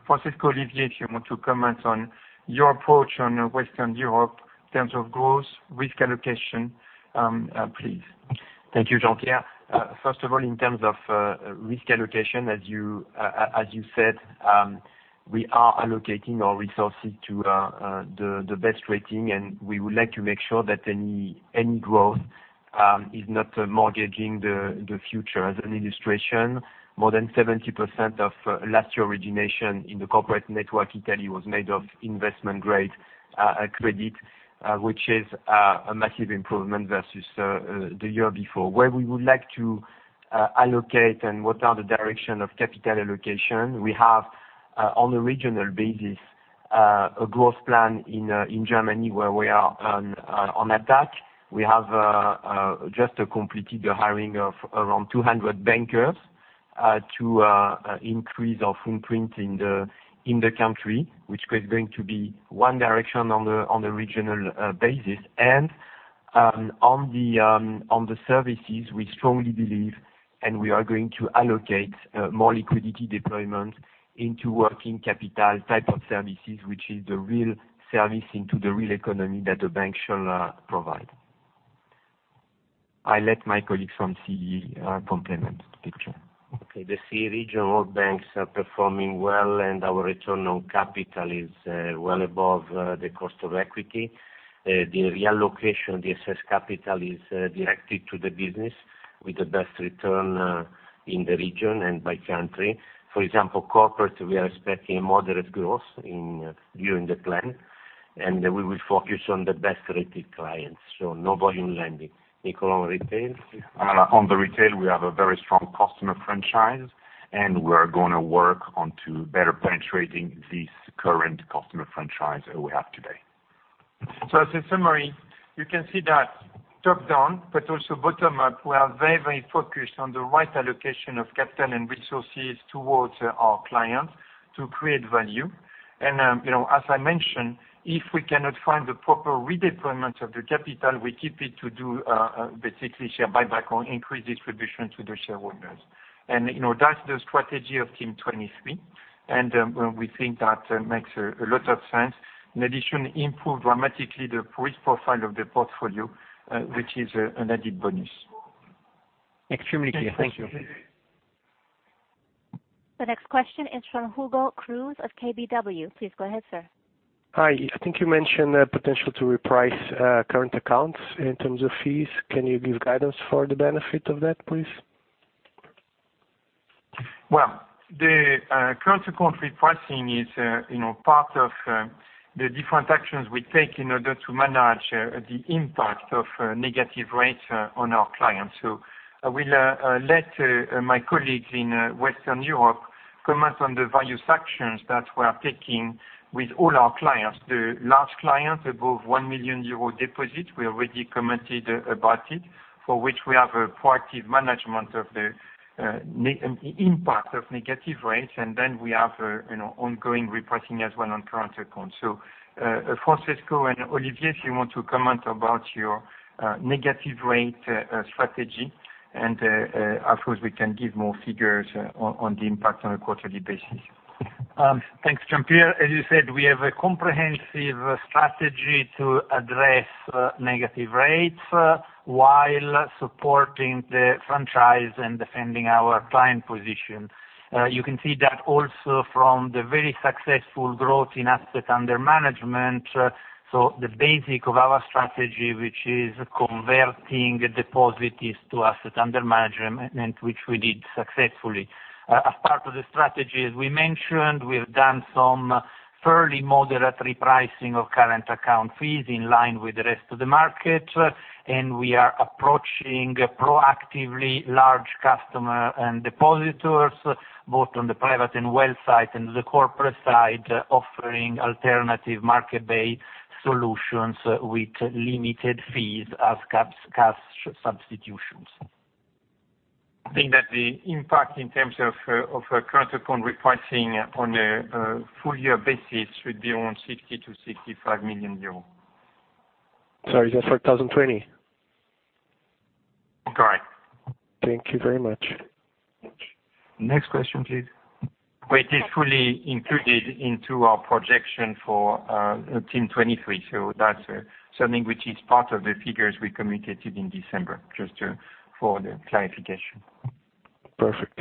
Francesco, Olivier, if you want to comment on your approach on Western Europe in terms of growth, risk allocation, please. Thank you, Jean-Pierre. First of all, in terms of risk allocation, as you said, we are allocating our resources to the best rating, and we would like to make sure that any growth is not mortgaging the future. As an illustration, more than 70% of last year origination in the corporate network Italy was made of investment-grade credit, which is a massive improvement versus the year before. Where we would like to allocate and what are the direction of capital allocation, we have, on a regional basis, a growth plan in Germany where we are on attack. We have just completed the hiring of around 200 bankers to increase our footprint in the country, which is going to be one direction on the regional basis. On the services, we strongly believe and we are going to allocate more liquidity deployment into working capital type of services, which is the real service into the real economy that the bank shall provide. I let my colleagues from CEE complement the picture. Okay. The CEE region, all banks are performing well, and our return on capital is well above the cost of equity. The reallocation, the excess capital is directed to the business with the best return in the region and by country. For example, corporate, we are expecting a moderate growth during the plan, and we will focus on the best-rated clients, so no volume lending. Niccolò, on retail? On the retail, we have a very strong customer franchise, and we are going to work on to better penetrating this current customer franchise that we have today. As a summary, you can see that top-down, but also bottom-up, we are very focused on the right allocation of capital and resources towards our clients to create value. As I mentioned, if we cannot find the proper redeployment of the capital, we keep it to do basically share buyback or increase distribution to the shareholders. That's the strategy of Team 23, and we think that makes a lot of sense. In addition, improve dramatically the risk profile of the portfolio, which is an added bonus. Extremely clear. Thank you. Thank you. The next question is from Hugo Cruz of KBW. Please go ahead, sir. Hi. I think you mentioned potential to reprice current accounts in terms of fees. Can you give guidance for the benefit of that, please? The current account repricing is part of the different actions we take in order to manage the impact of negative rates on our clients. I will let my colleagues in Western Europe comment on the various actions that we're taking with all our clients. The large clients, above 1 million euro deposit, we already commented about it, for which we have a proactive management of the impact of negative rates, and then we have ongoing repricing as well on current accounts. Francesco and Olivier, if you want to comment about your negative rate strategy, and afterwards we can give more figures on the impact on a quarterly basis. Thanks, Jean-Pierre. As you said, we have a comprehensive strategy to address negative rates while supporting the franchise and defending our client position. You can see that also from the very successful growth in assets under management. The basic of our strategy, which is converting deposits to assets under management, which we did successfully. As part of the strategy, as we mentioned, we've done some fairly moderate repricing of current account fees in line with the rest of the market, and we are approaching proactively large customer and depositors, both on the private and wealth side and the corporate side, offering alternative market-based solutions with limited fees as cash substitutions. I think that the impact in terms of current account repricing on a full-year basis should be around 60 million-65 million euros. Sorry, is that for 2020? Correct. Thank you very much. Next question, please. Which is fully included into our projection for Team 23. That's something which is part of the figures we communicated in December, just for the clarification. Perfect.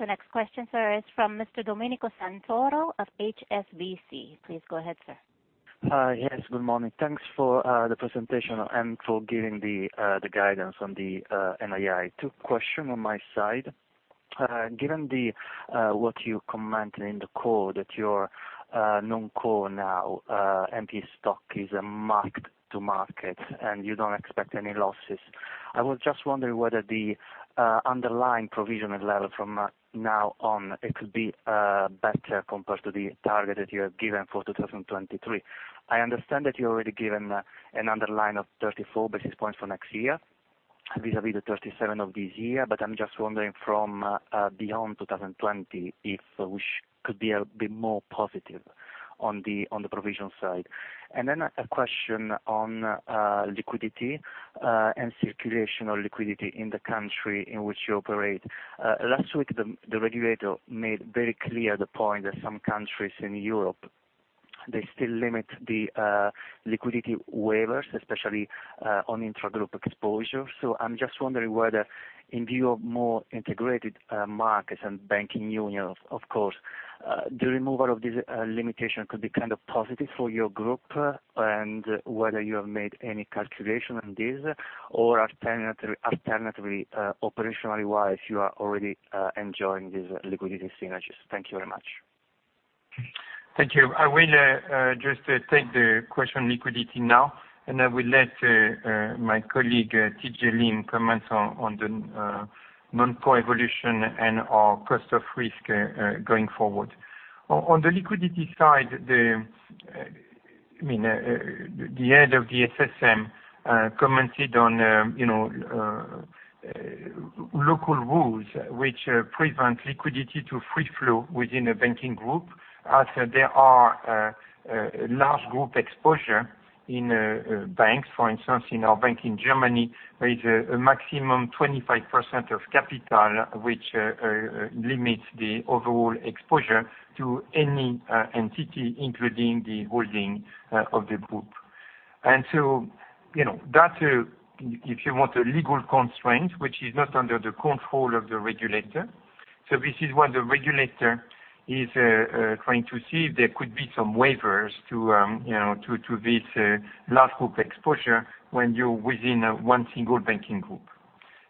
The next question, sir, is from Mr. Domenico Santoro of HSBC. Please go ahead, sir. Hi. Yes, good morning. Thanks for the presentation and for giving the guidance on the NII. Two question on my side. Given what you commented in the core, that your non-core now NPE stock is marked to market, and you don't expect any losses. I was just wondering whether the underlying provisional level from now on, it could be better compared to the target that you have given for 2023. I understand that you're already given an underline of 34 basis points for next year vis-à-vis the 37 of this year, I'm just wondering from beyond 2020, if which could be a bit more positive on the provision side. A question on liquidity and circulation of liquidity in the country in which you operate. Last week, the regulator made very clear the point that some countries in Europe, they still limit the liquidity waivers, especially on intragroup exposure. I'm just wondering whether in view of more integrated markets and banking unions, of course, the removal of this limitation could be kind of positive for your group and whether you have made any calculation on this, or alternatively, operationally-wise, you are already enjoying these liquidity synergies. Thank you very much. Thank you. I will just take the question on liquidity now, and I will let my colleague, Tj Lim, comment on the non-core evolution and our cost of risk going forward. On the liquidity side, the head of the SSM commented on local rules which prevent liquidity to free flow within a banking group, as there are large group exposure in banks. For instance, in our bank in Germany, there is a maximum 25% of capital, which limits the overall exposure to any entity, including the holding of the group. That's, if you want, a legal constraint, which is not under the control of the regulator. This is what the regulator is trying to see. There could be some waivers to this large group exposure when you're within one single banking group.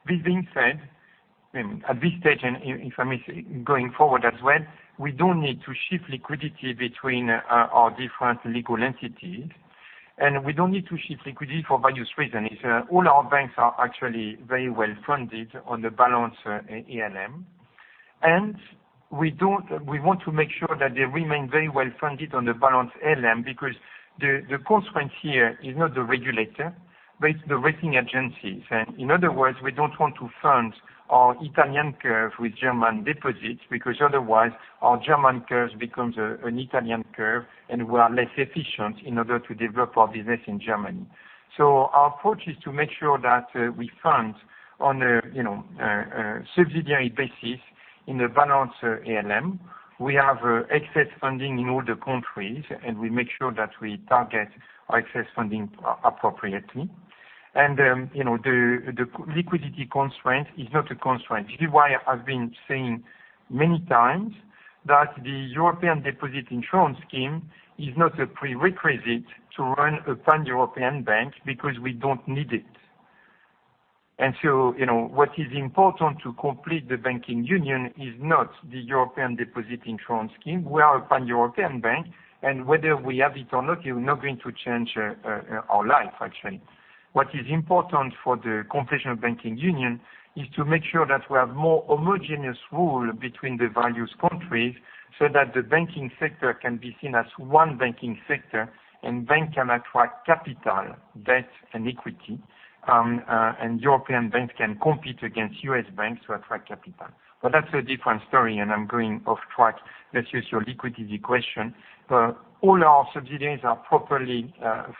This being said, at this stage, and if I may, going forward as well, we don't need to shift liquidity between our different legal entities. We don't need to shift liquidity for various reasons. All our banks are actually very well-funded on the balanced ALM. We want to make sure that they remain very well-funded on the balanced ALM because the consequence here is not the regulator, but it's the rating agencies. In other words, we don't want to fund our Italian curve with German deposits, because otherwise our German curves becomes an Italian curve, and we are less efficient in order to develop our business in Germany. Our approach is to make sure that we fund on a subsidiary basis in a balanced ALM. We have excess funding in all the countries. We make sure that we target our excess funding appropriately. The liquidity constraint is not a constraint. This is why I've been saying many times that the European Deposit Insurance Scheme is not a prerequisite to run a pan-European bank, because we don't need it. What is important to complete the banking union is not the European Deposit Insurance Scheme. We are a pan-European bank, and whether we have it or not, you're not going to change our life, actually. What is important for the completion of banking union is to make sure that we have more homogeneous rules between the various countries, so that the banking sector can be seen as one banking sector, and banks can attract capital, debt, and equity, and European banks can compete against U.S. banks to attract capital. That's a different story, and I'm going off track. Let's use your liquidity question. All our subsidiaries are properly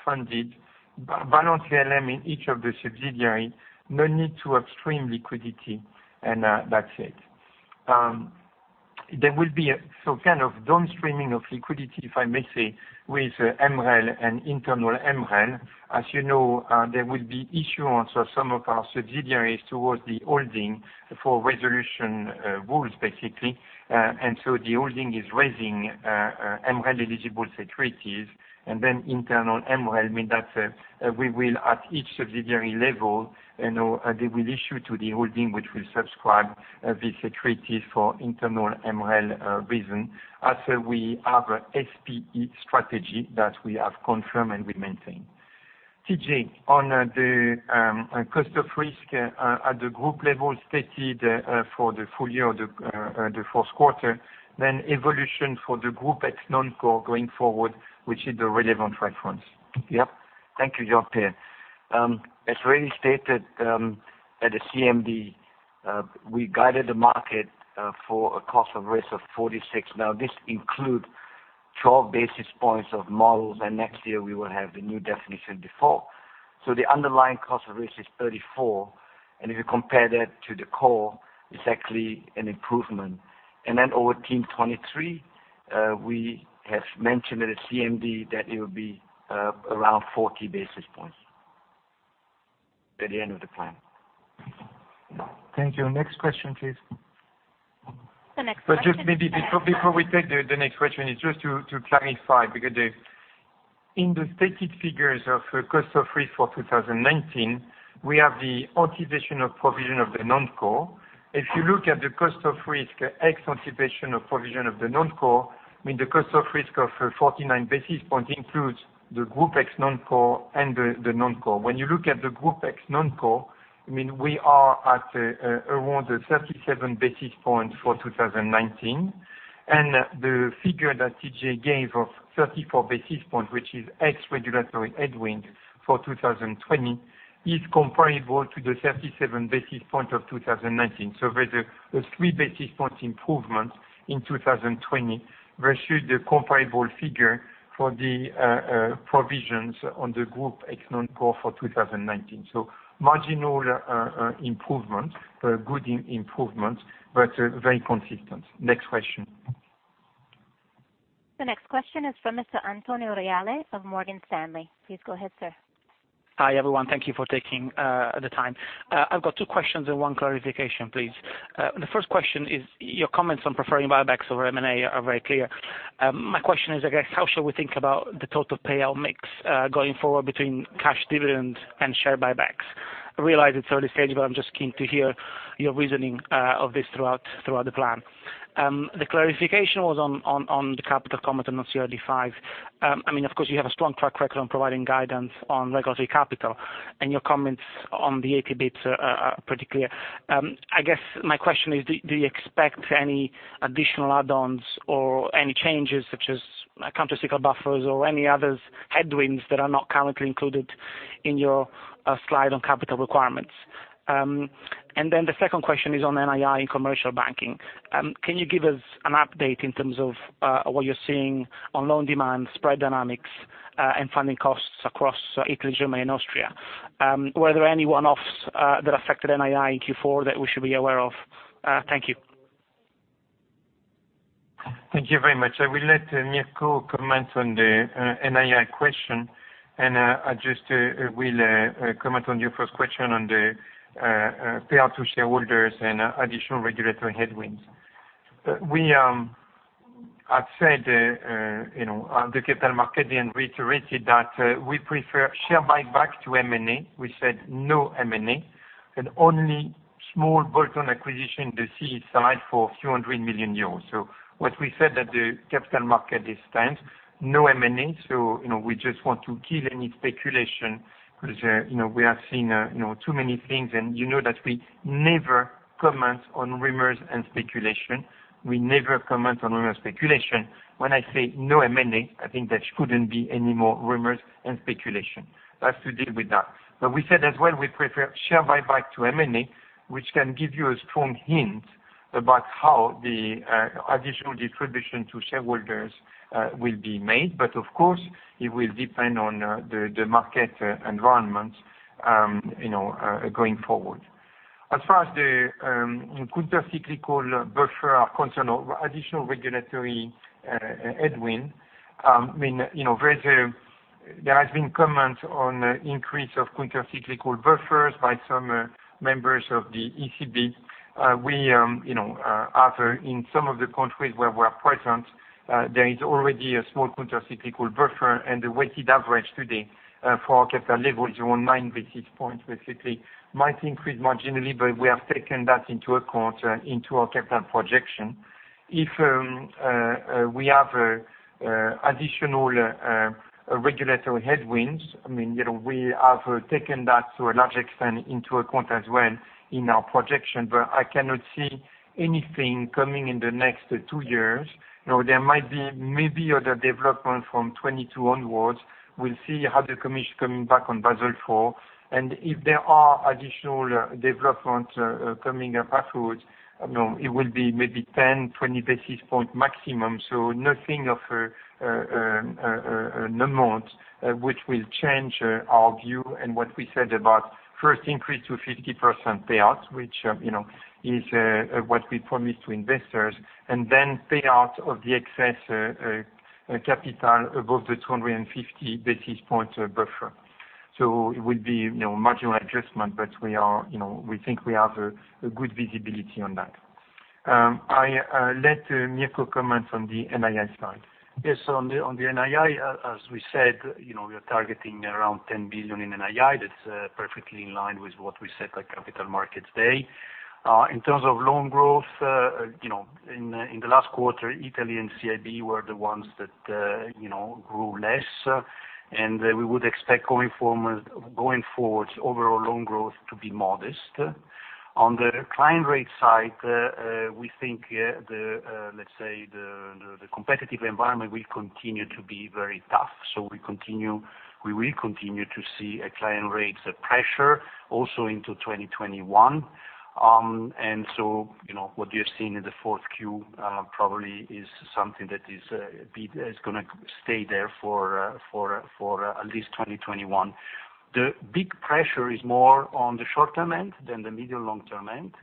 funded. Balance ALM in each of the subsidiaries, no need to upstream liquidity, that's it. There will be some kind of downstreaming of liquidity, if I may say, with MREL and internal MREL. As you know, there will be issuance of some of our subsidiaries towards the holding for resolution rules, basically. The holding is raising MREL-eligible securities, internal MREL means that we will, at each subsidiary level, they will issue to the holding, which will subscribe the securities for internal MREL reason, as we have a SPE strategy that we have confirmed and will maintain. TJ, on the cost of risk at the group level stated for the full year or the first quarter, evolution for the group ex non-core going forward, which is the relevant reference. Thank you, Jean-Pierre. As already stated at the CMD, we guided the market for a cost of risk of 46. This includes 12 basis points of models, and next year we will have the new definition default. The underlying cost of risk is 34, and if you compare that to the core, it's actually an improvement. Over Team 23, we have mentioned at CMD that it will be around 40 basis points at the end of the plan. Thank you. Next question, please. The next question. Just maybe before we take the next question, it's just to clarify, because in the stated figures of cost of risk for 2019, we have the anticipation of provision of the non-core. If you look at the cost of risk, ex anticipation of provision of the non-core, the cost of risk of 49 basis points includes the group ex non-core and the non-core. When you look at the group ex non-core, we are at around the 37 basis points for 2019. The figure that TJ gave of 34 basis points, which is ex regulatory headwind for 2020, is comparable to the 37 basis points of 2019. There's a three basis points improvement in 2020 versus the comparable figure for the provisions on the group ex non-core for 2019. Marginal improvement, good improvement, but very consistent. Next question. The next question is from Mr. Antonio Reale of Morgan Stanley. Please go ahead, sir. Hi, everyone. Thank you for taking the time. I've got two questions and one clarification, please. The first question is, your comments on preferring buybacks over M&A are very clear. My question is, I guess, how should we think about the total payout mix going forward between cash dividends and share buybacks? I realize it's early stage, but I'm just keen to hear your reasoning of this throughout the plan. The clarification was on the capital comment on CRD V. Of course, you have a strong track record on providing guidance on regulatory capital, and your comments on the AP bits are pretty clear. I guess my question is, do you expect any additional add-ons or any changes such as countercyclical buffers or any others headwinds that are not currently included in your slide on capital requirements? The second question is on NII in commercial banking. Can you give us an update in terms of what you're seeing on loan demand, spread dynamics, and funding costs across Italy, Germany, and Austria? Were there any one-offs that affected NII in Q4 that we should be aware of? Thank you. Thank you very much. I will let Mirko comment on the NII question, I just will comment on your first question on the payout to shareholders and additional regulatory headwinds. We have said on the capital market and reiterated that we prefer share buybacks to M&A. We said no M&A, only small bolt-on acquisition in the CEE for a few hundred million EUR. What we said at the capital market stands, no M&A, we just want to kill any speculation because we have seen too many things, you know that we never comment on rumors and speculation. We never comment on rumor and speculation. When I say no M&A, I think there shouldn't be any more rumors and speculation. That's to deal with that. We said as well, we prefer share buyback to M&A, which can give you a strong hint about how the additional distribution to shareholders will be made. Of course, it will depend on the market environment going forward. As far as the countercyclical buffer are concerned or additional regulatory headwind. There has been comments on increase of countercyclical buffers by some members of the ECB. We have, in some of the countries where we're present, there is already a small countercyclical buffer, and the weighted average today for our capital leverage around nine basis points, basically might increase marginally, but we have taken that into account into our capital projection. If we have additional regulatory headwinds, we have taken that to a large extent into account as well in our projection. I cannot see anything coming in the next two years. There might be maybe other development from 2022 onwards. We'll see how the commission coming back on Basel IV. If there are additional developments coming afterwards, it will be maybe 10, 20 basis point maximum. Nothing of amount which will change our view and what we said about first increase to 50% payout, which is what we promised to investors, and then payout of the excess capital above the 250 basis point buffer. It will be marginal adjustment, but we think we have a good visibility on that. I let Mirko comment from the NII side. On the NII, as we said, we are targeting around 10 billion in NII. That's perfectly in line with what we said at Capital Markets Day. In terms of loan growth, in the last quarter, Italy and CIB were the ones that grew less. We would expect going forward overall loan growth to be modest. On the client rate side, we think, let's say, the competitive environment will continue to be very tough. We will continue to see a client rates pressure also into 2021. What you have seen in the fourth Q probably is something that is going to stay there for at least 2021. The big pressure is more on the short-term end than the medium, long-term end.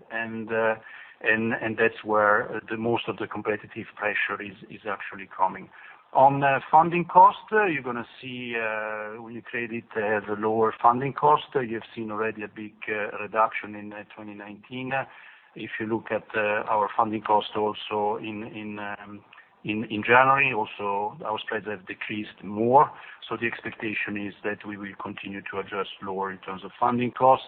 That's where the most of the competitive pressure is actually coming. On funding cost, you're going to see UniCredit has a lower funding cost. You have seen already a big reduction in 2019. If you look at our funding cost also in January, also our spreads have decreased more. The expectation is that we will continue to adjust lower in terms of funding cost.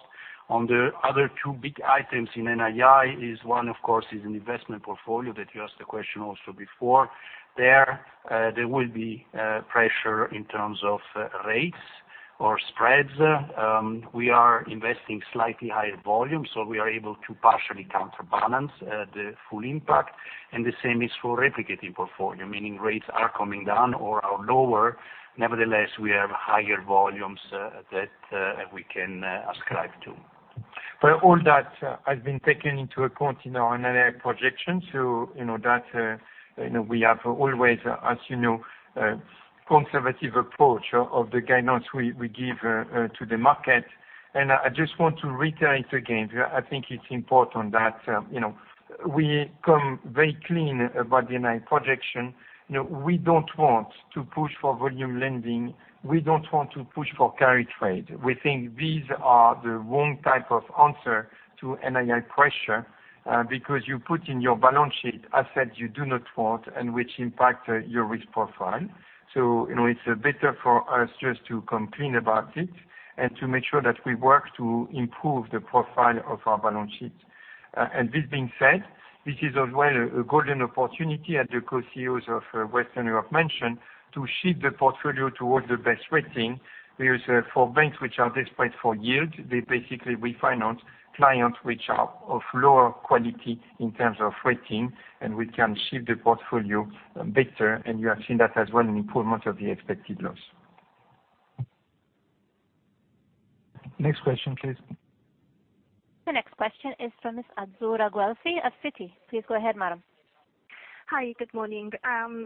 On the other two big items in NII is one, of course, is an investment portfolio that you asked a question also before. There, there will be pressure in terms of rates or spreads. We are investing slightly higher volume, so we are able to partially counterbalance the full impact, and the same is for replicating portfolio, meaning rates are coming down or are lower. Nevertheless, we have higher volumes that we can ascribe to. All that has been taken into account in our NII projection, so that we have always, as you know, conservative approach of the guidance we give to the market. I just want to reiterate again, I think it's important that we come very clean about the NII projection. We don't want to push for volume lending. We don't want to push for carry trade. We think these are the wrong type of answer to NII pressure, because you put in your balance sheet assets you do not want and which impact your risk profile. It's better for us just to come clean about it and to make sure that we work to improve the profile of our balance sheet. This being said, this is as well a golden opportunity, as the Co-CEOs of Western Europe mentioned, to shift the portfolio towards the best rating, because for banks which are desperate for yield, they basically refinance clients which are of lower quality in terms of rating, and we can shift the portfolio better. You have seen that as well, an improvement of the expected loss. Next question, please. The next question is from Miss Azzurra Guelfi at Citi. Please go ahead, madam. Hi, good morning.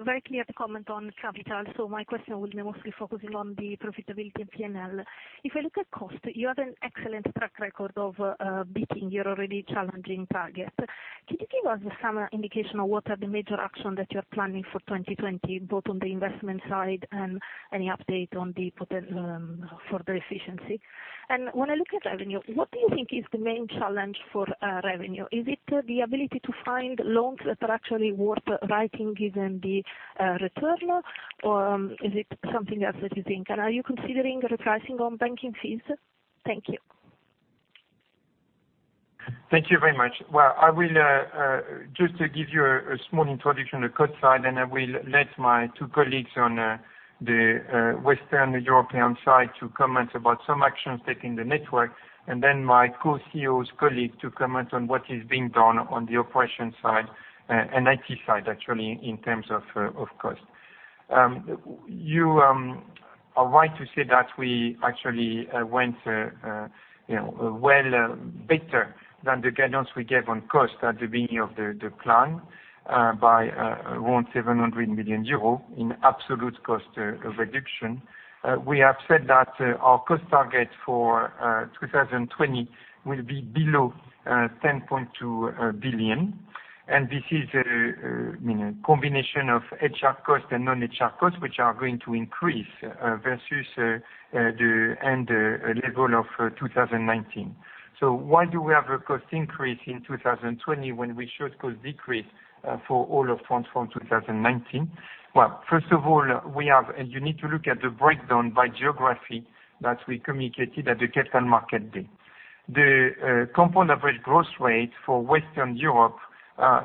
Very clear to comment on capital, so my question will be mostly focusing on the profitability and P&L. If I look at cost, you have an excellent track record of beating your already challenging target. Could you give us some indication of what are the major action that you are planning for 2020, both on the investment side and any update for the efficiency? When I look at revenue, what do you think is the main challenge for revenue? Is it the ability to find loans that are actually worth writing given the return, or is it something else that you think? Are you considering repricing on banking fees? Thank you. Thank you very much. Well, I will just give you a small introduction on cost side, and I will let my two colleagues on the Western European side to comment about some actions taken the network, and then my co-CEO's colleague to comment on what is being done on the operation side and IT side, actually, in terms of cost. You are right to say that we actually, well, better than the guidance we gave on cost at the beginning of the plan by around 700 million euros in absolute cost reduction. We have said that our cost target for 2020 will be below 10.2 billion. This is a combination of HR cost and non-HR costs, which are going to increase versus the end level of 2019. Why do we have a cost increase in 2020 when we showed cost decrease for all of Transform 2019? Well, first of all, you need to look at the breakdown by geography that we communicated at the Capital Markets Day. The compound average growth rate for Western Europe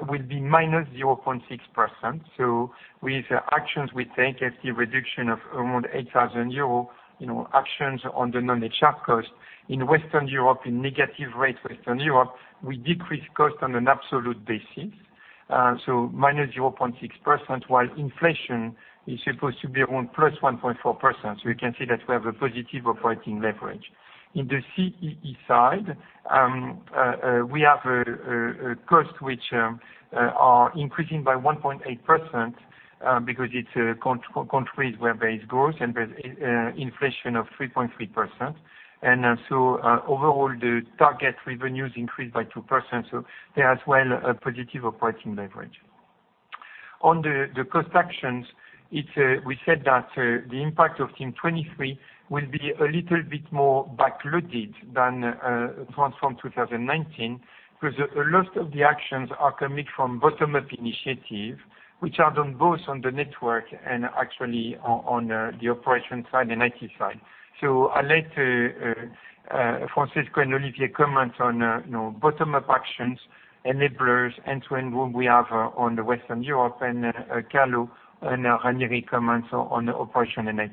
will be -0.6%. With the actions we take as the reduction of around 8,000 euro, actions on the non-HR cost in Western Europe, in negative rate Western Europe, we decrease cost on an absolute basis, so -0.6%, while inflation is supposed to be around +1.4%. We can see that we have a positive operating leverage. In the CEE side, we have a cost which are increasing by 1.8% because it's countries where there is growth and there's inflation of 3.3%. Overall, the target revenues increased by 2%, so there as well, a positive operating leverage. On the cost actions, we said that the impact of Team 23 will be a little bit more back-loaded than Transform 2019, because a lot of the actions are coming from bottom-up initiative, which are done both on the network and actually on the operation side and IT side. I'll let Francesco and Olivier comment on bottom-up actions, enablers, end-to-end room we have on the Western Europe, and Carlo and Ranieri comment on the operation and IT.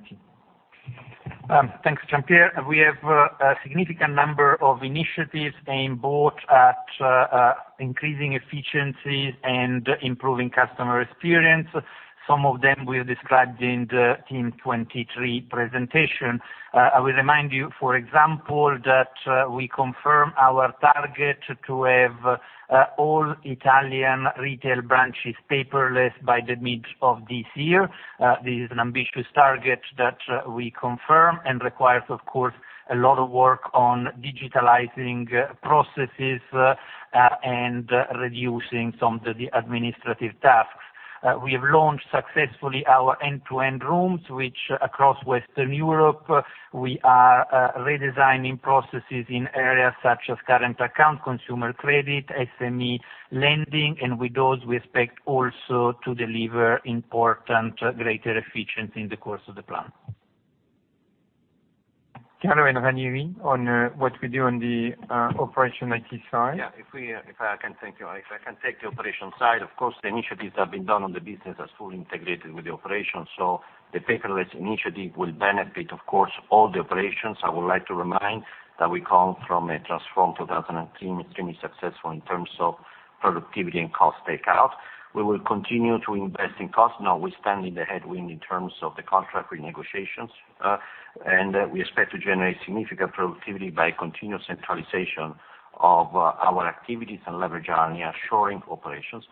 Thanks, Jean-Pierre. We have a significant number of initiatives aimed both at increasing efficiency and improving customer experience. Some of them we have described in the Team 23 presentation. I will remind you, for example, that we confirm our target to have all Italian retail branches paperless by the mid of this year. This is an ambitious target that we confirm and requires, of course, a lot of work on digitalizing processes and reducing some of the administrative tasks. We have launched successfully our end-to-end rooms, which across Western Europe, we are redesigning processes in areas such as current account, consumer credit, SME lending, and with those, we expect also to deliver important greater efficiency in the course of the plan. Carlo and Ranieri on what we do on the operation IT side. Yeah. If I can take the operation side. Of course, the initiatives have been done on the business as fully integrated with the operation. The paperless initiative will benefit, of course, all the operations. I would like to remind that we come from a Transform 2019 extremely successful in terms of productivity and cost takeout. We will continue to invest in cost. Now we stand in the headwind in terms of the contract renegotiations, We expect to generate significant productivity by continuous centralization of our activities and leverage our nearshoring operations,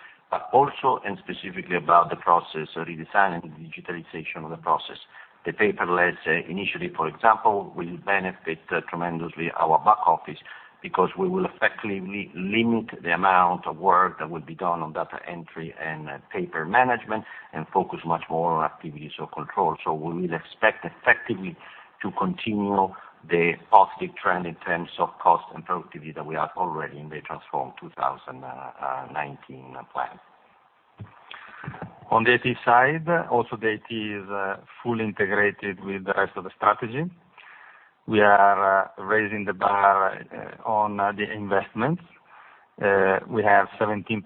also and specifically about the process redesigning and digitalization of the process. The paperless initiative, for example, will benefit tremendously our back office, because we will effectively limit the amount of work that will be done on data entry and paper management, and focus much more on activities of control. We will expect effectively to continue the positive trend in terms of cost and productivity that we have already in the Transform 2019 plan. On the IT side, also the IT is fully integrated with the rest of the strategy. We are raising the bar on the investments. We have 17%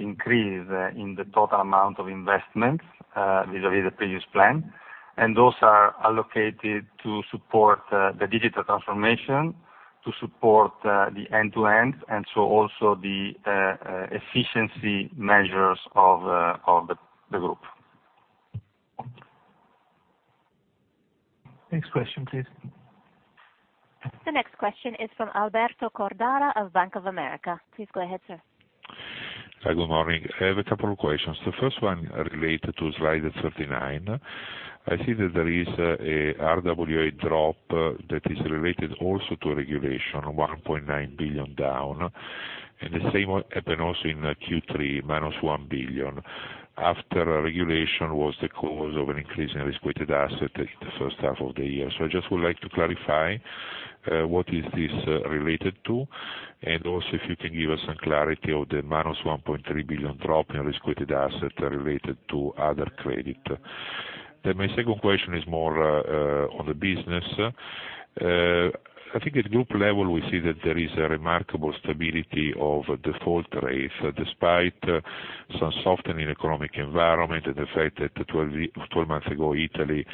increase in the total amount of investments vis-à-vis the previous plan, and those are allocated to support the digital transformation, to support the end-to-ends, and so also the efficiency measures of the group. Next question, please. The next question is from Alberto Cordara of Bank of America. Please go ahead, sir. Hi, good morning. I have a couple of questions. The first one related to slide 39. I see that there is a RWA drop that is related also to regulation, 1.9 billion down, and the same happened also in Q3, -1 billion after a regulation was the cause of an increase in risk-weighted asset in the first half of the year. I just would like to clarify, what is this related to? Also, if you can give us some clarity of the -1.3 billion drop in risk-weighted asset related to other credit. My second question is more on the business. I think at group level, we see that there is a remarkable stability of default rates, despite some softening economic environment and the fact that 12 months ago, Italy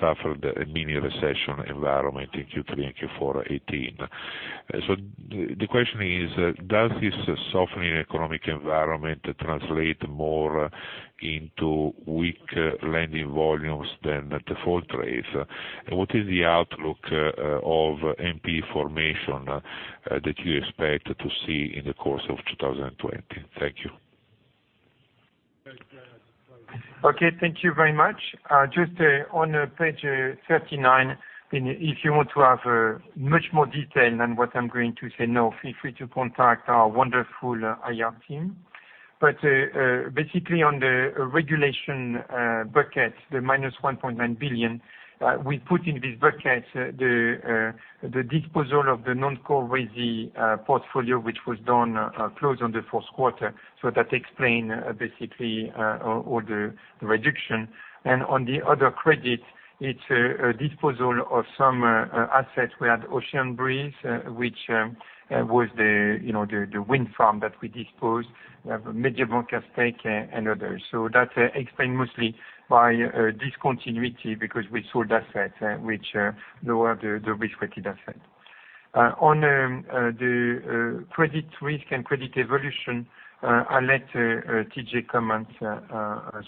suffered a mini recession environment in Q3 and Q4 2018. The question is, does this softening economic environment translate more into weaker lending volumes than the default rates? What is the outlook of NPE formation that you expect to see in the course of 2020? Thank you. Okay, thank you very much. Just on page 39, if you want to have much more detail than what I'm going to say now, feel free to contact our wonderful IR team. Basically, on the regulation bucket, the -1.9 billion, we put in this bucket the disposal of the non-core resi portfolio, which was done close on the fourth quarter. That explain, basically, all the reduction. On the other credit, it's a disposal of some assets. We had Ocean Breeze, which was the wind farm that we disposed, Mediobanca stake, and others. That explain mostly by discontinuity because we sold assets, which lower the risk-weighted asset. On the credit risk and credit evolution, I'll let TJ comment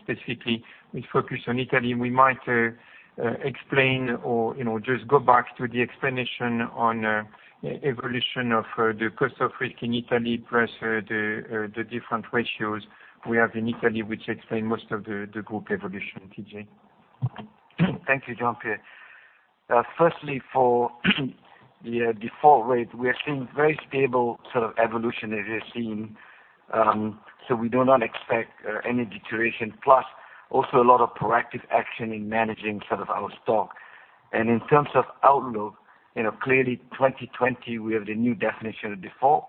specifically with focus on Italy. We might explain or just go back to the explanation on evolution of the cost of risk in Italy plus the different ratios we have in Italy, which explain most of the group evolution. TJ? Thank you, Jean-Pierre. For the default rate, we are seeing very stable sort of evolution as you're seeing. We do not expect any deterioration, plus also a lot of proactive action in managing our stock. In terms of outlook, clearly 2020, we have the new definition of default.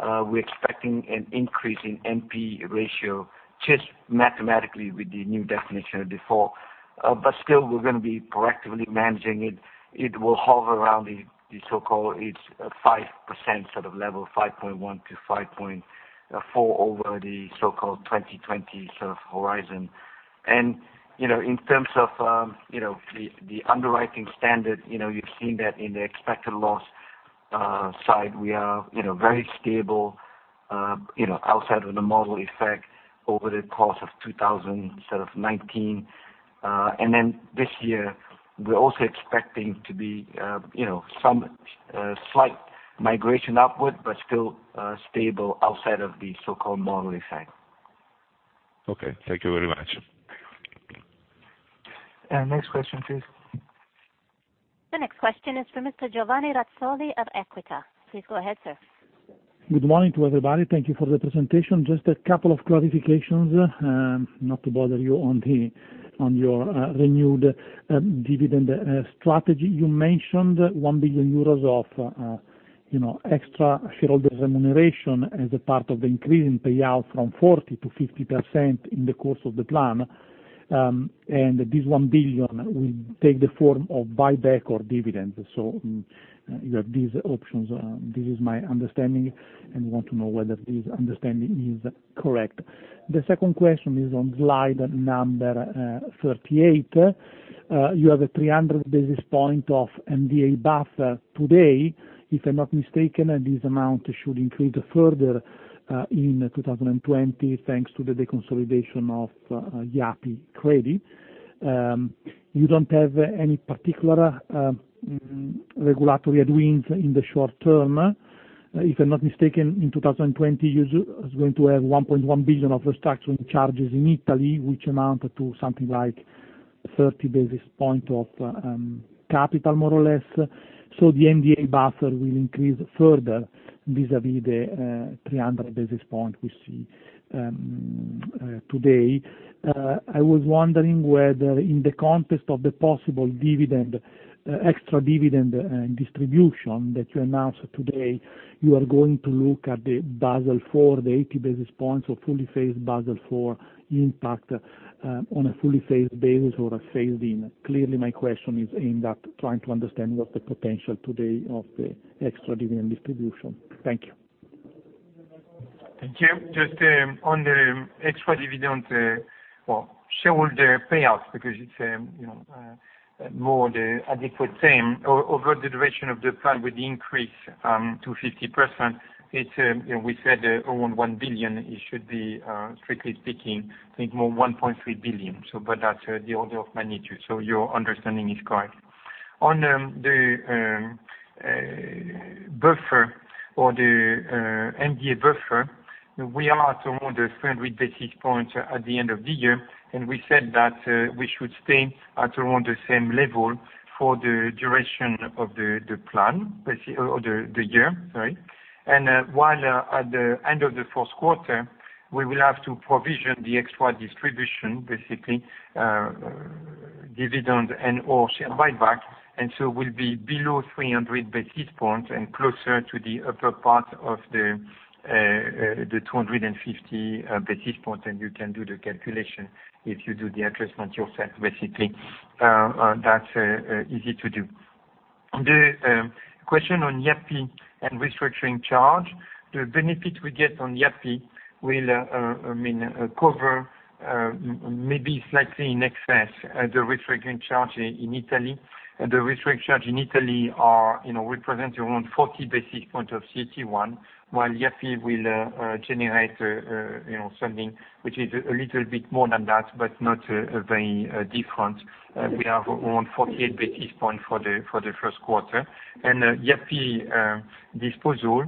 We're expecting an increase in NPE ratio just mathematically with the new definition of default. Still, we're going to be proactively managing it. It will hover around the so-called 5% sort of level, 5.1%-5.4% over the so-called 2020 sort of horizon. In terms of the underwriting standard, you've seen that in the expected loss side, we are very stable outside of the model effect over the course of 2019. This year, we're also expecting to be some slight migration upward, still stable outside of the so-called model effect. Okay. Thank you very much. Next question, please. The next question is for Mr. Giovanni Razzoli of Equita. Please go ahead, sir. Good morning to everybody. Thank you for the presentation. Just a couple of clarifications, not to bother you on your renewed dividend strategy. You mentioned 1 billion euros of extra shareholders remuneration as a part of the increase in payout from 40% to 50% in the course of the plan. This 1 billion will take the form of buyback or dividends. You have these options. This is my understanding, and want to know whether this understanding is correct. The second question is on slide number 38. You have a 300 basis points of MDA buffer today. If I'm not mistaken, this amount should increase further in 2020 thanks to the deconsolidation of Yapı Kredi. You don't have any particular regulatory headwinds in the short-term. If I'm not mistaken, in 2020, you is going to have 1.1 billion of restructuring charges in Italy, which amount to something like 30 basis point of capital, more or less. The MDA buffer will increase further vis-à-vis the 300 basis point we see today. I was wondering whether in the context of the possible extra dividend distribution that you announced today, you are going to look at the Basel IV, the 80 basis points of fully phased Basel IV impact on a fully phased basis or a phased in. My question is aimed at trying to understand what the potential today of the extra dividend distribution. Thank you. Thank you. Just on the extra dividend, well, shareholder payouts, because it's more the adequate term, over the duration of the plan with the increase to 50%, we said around 1 billion, it should be, strictly speaking, I think more 1.3 billion. That's the order of magnitude, so your understanding is correct. On the buffer or the MDA buffer, we are at around the 300 basis points at the end of the year. We said that we should stay at around the same level for the duration of the plan, or the year, sorry. While at the end of the fourth quarter, we will have to provision the extra distribution, basically, dividend and/or share buyback. We'll be below 300 basis points and closer to the upper part of the 250 basis points. You can do the calculation if you do the adjustment yourself, basically. That's easy to do. On the question on Yapı and restructuring charge, the benefit we get on Yapı will cover maybe slightly in excess the restructuring charge in Italy. The restructuring charge in Italy represents around 40 basis points of CET1, while Yapı will generate something which is a little bit more than that, but not very different. We are around 48 basis points for the first quarter. Yapı disposal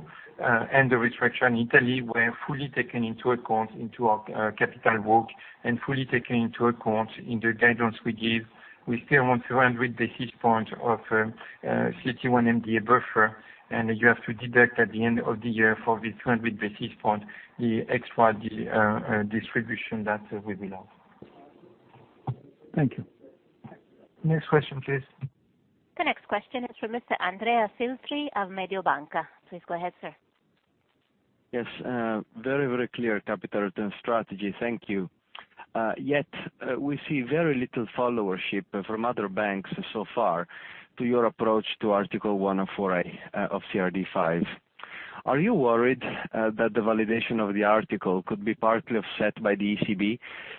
and the restructure in Italy were fully taken into account into our capital work and fully taken into account in the guidance we give. We still want 200 basis points of CET1 MDA buffer. You have to deduct at the end of the year for this 200 basis point, the extra distribution that we will have. Thank you. Next question, please. The next question is from Andrea Filtri of Mediobanca. Please go ahead, sir. Yes. Very clear capital return strategy. Thank you. We see very little followership from other banks so far to your approach to Article 104a of CRD V. Are you worried that the validation of the article could be partly offset by the ECB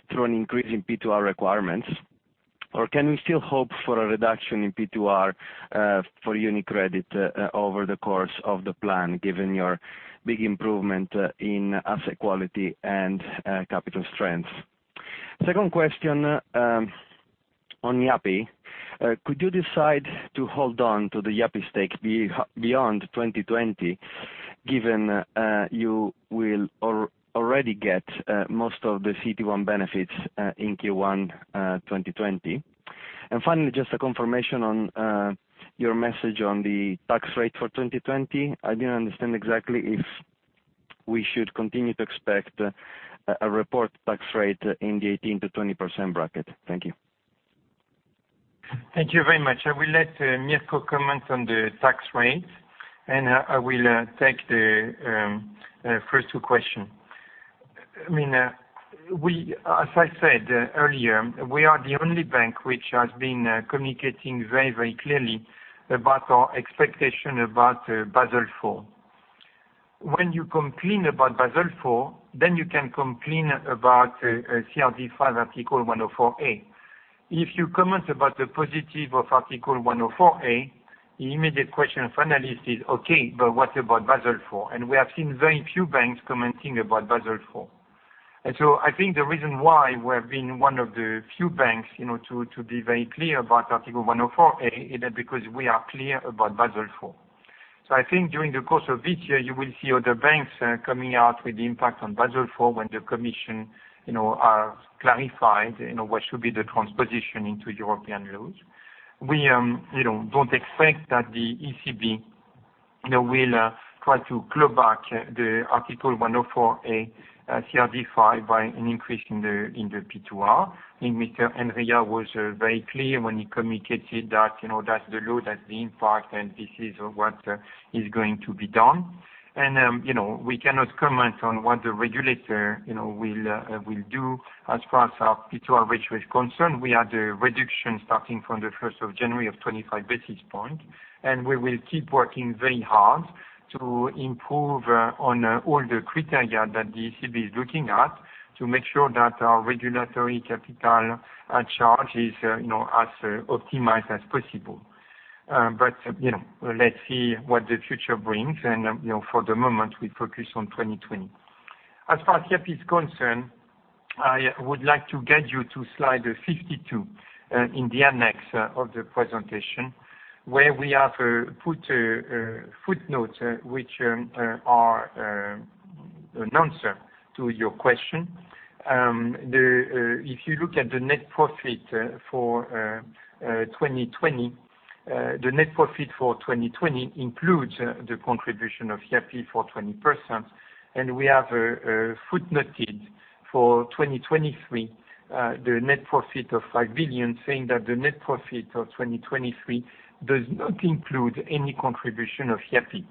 through an increase in P2R requirements? Can we still hope for a reduction in P2R for UniCredit over the course of the plan, given your big improvement in asset quality and capital strength? Second question on Yapı. Could you decide to hold on to the Yapı stake beyond 2020, given you will already get most of the CET1 benefits in Q1 2020? Finally, just a confirmation on your message on the tax rate for 2020. I didn't understand exactly if we should continue to expect a report tax rate in the 18%-20% bracket. Thank you. Thank you very much. I will let Mirko comment on the tax rate, and I will take the first two questions. As I said earlier, we are the only bank which has been communicating very clearly about our expectation about Basel IV. When you come clean about Basel IV, then you can come clean about CRD V, Article 104a. If you comment about the positive of Article 104a, the immediate question of analysts is, "Okay, but what about Basel IV?" We have seen very few banks commenting about Basel IV. I think the reason why we have been one of the few banks to be very clear about Article 104a, is because we are clear about Basel IV. I think during the course of this year, you will see other banks coming out with the impact on Basel IV when the commission are clarified, what should be the transposition into European rules. We don't expect that the ECB will try to claw back the Article 104a CRD V by an increase in the P2R. I think Mr. Andrea was very clear when he communicated that, "That's the law, that's the impact, and this is what is going to be done." We cannot comment on what the regulator will do as far as our P2R ratio is concerned. We had a reduction starting from the 1st of January of 25 basis points, and we will keep working very hard to improve on all the criteria that the ECB is looking at to make sure that our regulatory capital charge is as optimized as possible. Let's see what the future brings. For the moment, we focus on 2020. As far as Yapı is concerned, I would like to get you to slide 52, in the annex of the presentation, where we have put footnotes, which are an answer to your question. If you look at the net profit for 2020, the net profit for 2020 includes the contribution of Yapı for 20%, and we have footnoted for 2023, the net profit of 5 billion, saying that the net profit of 2023 does not include any contribution of Yapı.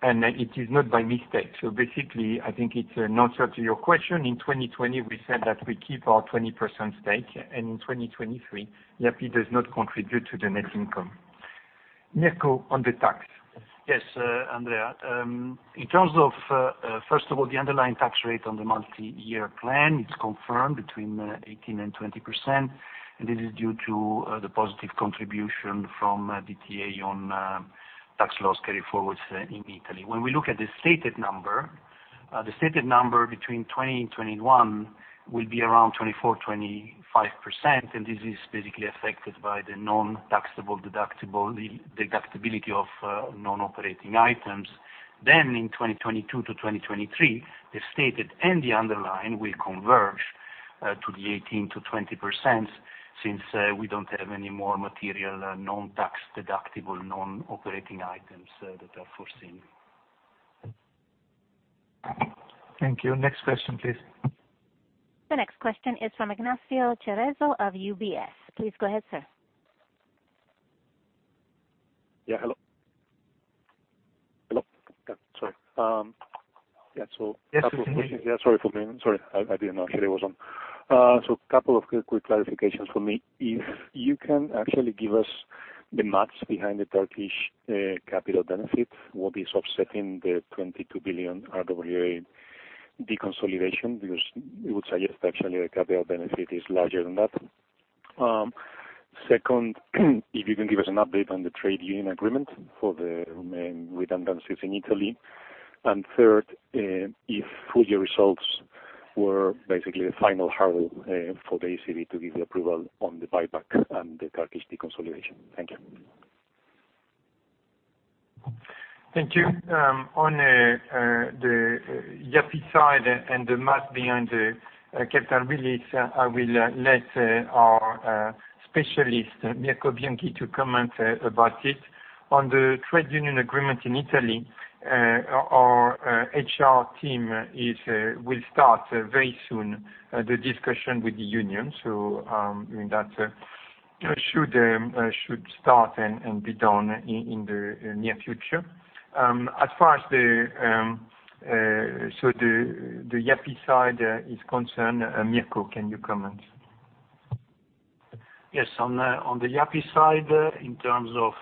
It is not by mistake. Basically, I think it's an answer to your question. In 2020, we said that we keep our 20% stake, and in 2023, Yapı does not contribute to the net income. Mirko, on the tax. Yes, Andrea. In terms of, first of all, the underlying tax rate on the multi-year plan, it's confirmed between 18% and 20%. This is due to the positive contribution from DTA on tax laws carry forwards in Italy. When we look at the stated number, the stated number between 2020 and 2021 will be around 24%-25%. This is basically affected by the deductibility of non-operating items. In 2022 to 2023, the stated and the underlying will converge to the 18%-20% since we don't have any more material non-tax deductible non-operating items that are foreseen. Thank you. Next question, please. The next question is from Ignacio Cerezo of UBS. Please go ahead, sir. Yeah, hello. Yeah. Couple of questions. Yes, please. Sorry, I didn't know Xavier was on. A couple of quick clarifications from me. If you can actually give us the maths behind the Turkish capital benefit, what is offsetting the 22 billion RWA deconsolidation? Because it would suggest actually a capital benefit is larger than that. Second, if you can give us an update on the trade union agreement for the redundancies in Italy. Third, if full year results were basically the final hurdle for the ECB to give the approval on the buyback and the Turkish deconsolidation. Thank you. Thank you. On the Yapı side and the math behind the capital release, I will let our specialist, Mirko Bianchi, to comment about it. On the trade union agreement in Italy, our HR team will start very soon the discussion with the union, so that should start and be done in the near future. As far as the Yapı side is concerned, Mirko, can you comment? Yes. On the Yapı side, in terms of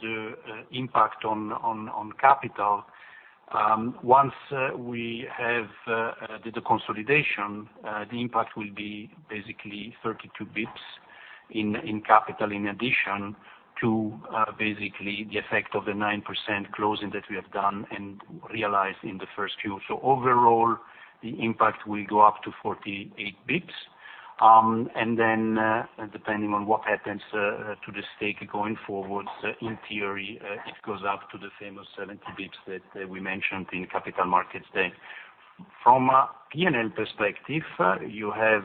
the impact on capital, once we have done the consolidation, the impact will be basically 32 basis points in capital in addition to basically the effect of the 9% closing that we have done and realized in the first Q. Overall, the impact will go up to 48 basis points. Depending on what happens to the stake going forwards, in theory, it goes up to the famous 70 basis points that we mentioned in Capital Markets Day. From a P&L perspective, you have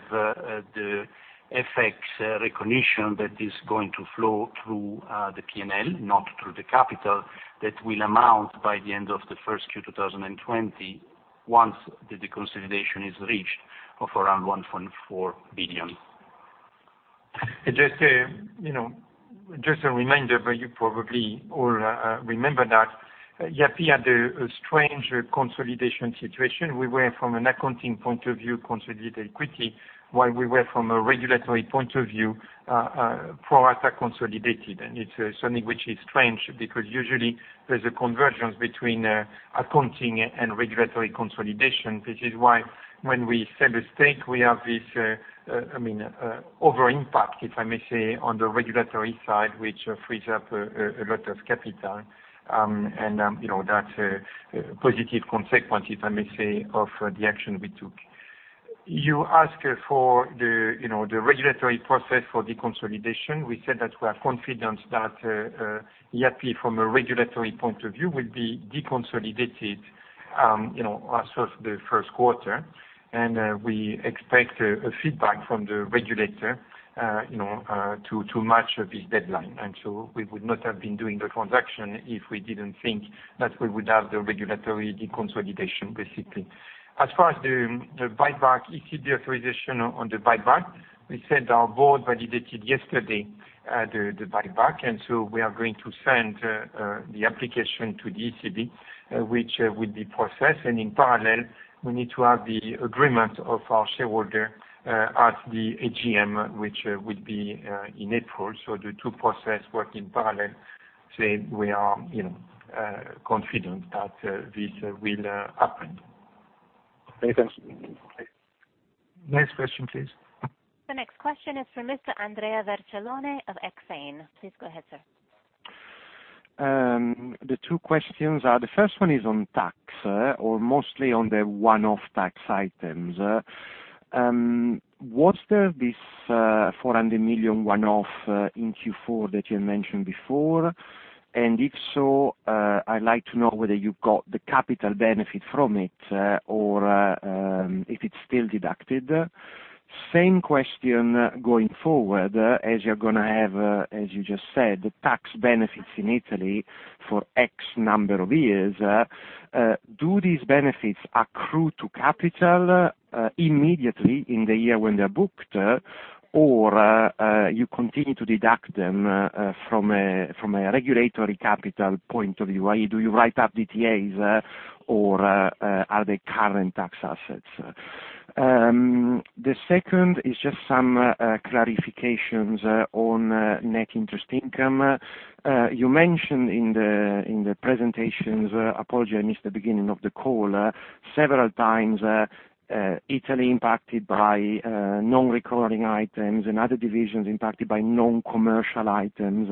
the FX recognition that is going to flow through the P&L, not through the capital. That will amount, by the end of the first Q 2020, once the consolidation is reached, of around 1.4 billion. Just a reminder, you probably all remember that Yapı Kredi had a strange consolidation situation. We were, from an accounting point of view, consolidated equity, while we were, from a regulatory point of view, pro rata consolidated. It's something which is strange, because usually there's a convergence between accounting and regulatory consolidation, which is why when we sell the stake, we have this over impact, if I may say, on the regulatory side, which frees up a lot of capital. That's a positive consequence, if I may say, of the action we took. You ask for the regulatory process for deconsolidation. We said that we are confident that Yapı Kredi, from a regulatory point of view, will be deconsolidated as of the first quarter, and we expect a feedback from the regulator to match this deadline. We would not have been doing the transaction if we didn't think that we would have the regulatory deconsolidation, basically. As far as the buyback, ECB authorization on the buyback, we said our board validated yesterday the buyback, we are going to send the application to the ECB, which will be processed. In parallel, we need to have the agreement of our shareholder at the AGM, which will be in April. The two process work in parallel. Say we are confident that this will happen. Many thanks. Next question, please. The next question is from Andrea Vercellone of Exane. Please go ahead, sir. The two questions are, the first one is on tax, or mostly on the one-off tax items. Was there this 400 million one-off in Q4 that you mentioned before? If so, I'd like to know whether you got the capital benefit from it or if it's still deducted. Same question going forward, as you're going to have, as you just said, tax benefits in Italy for X number of years. Do these benefits accrue to capital immediately in the year when they're booked, or you continue to deduct them from a regulatory capital point of view? Do you write up DTAs, or are they current tax assets? The second is just some clarifications on net interest income. You mentioned in the presentations, apology I missed the beginning of the call, several times Italy impacted by non-recurring items and other divisions impacted by non-commercial items.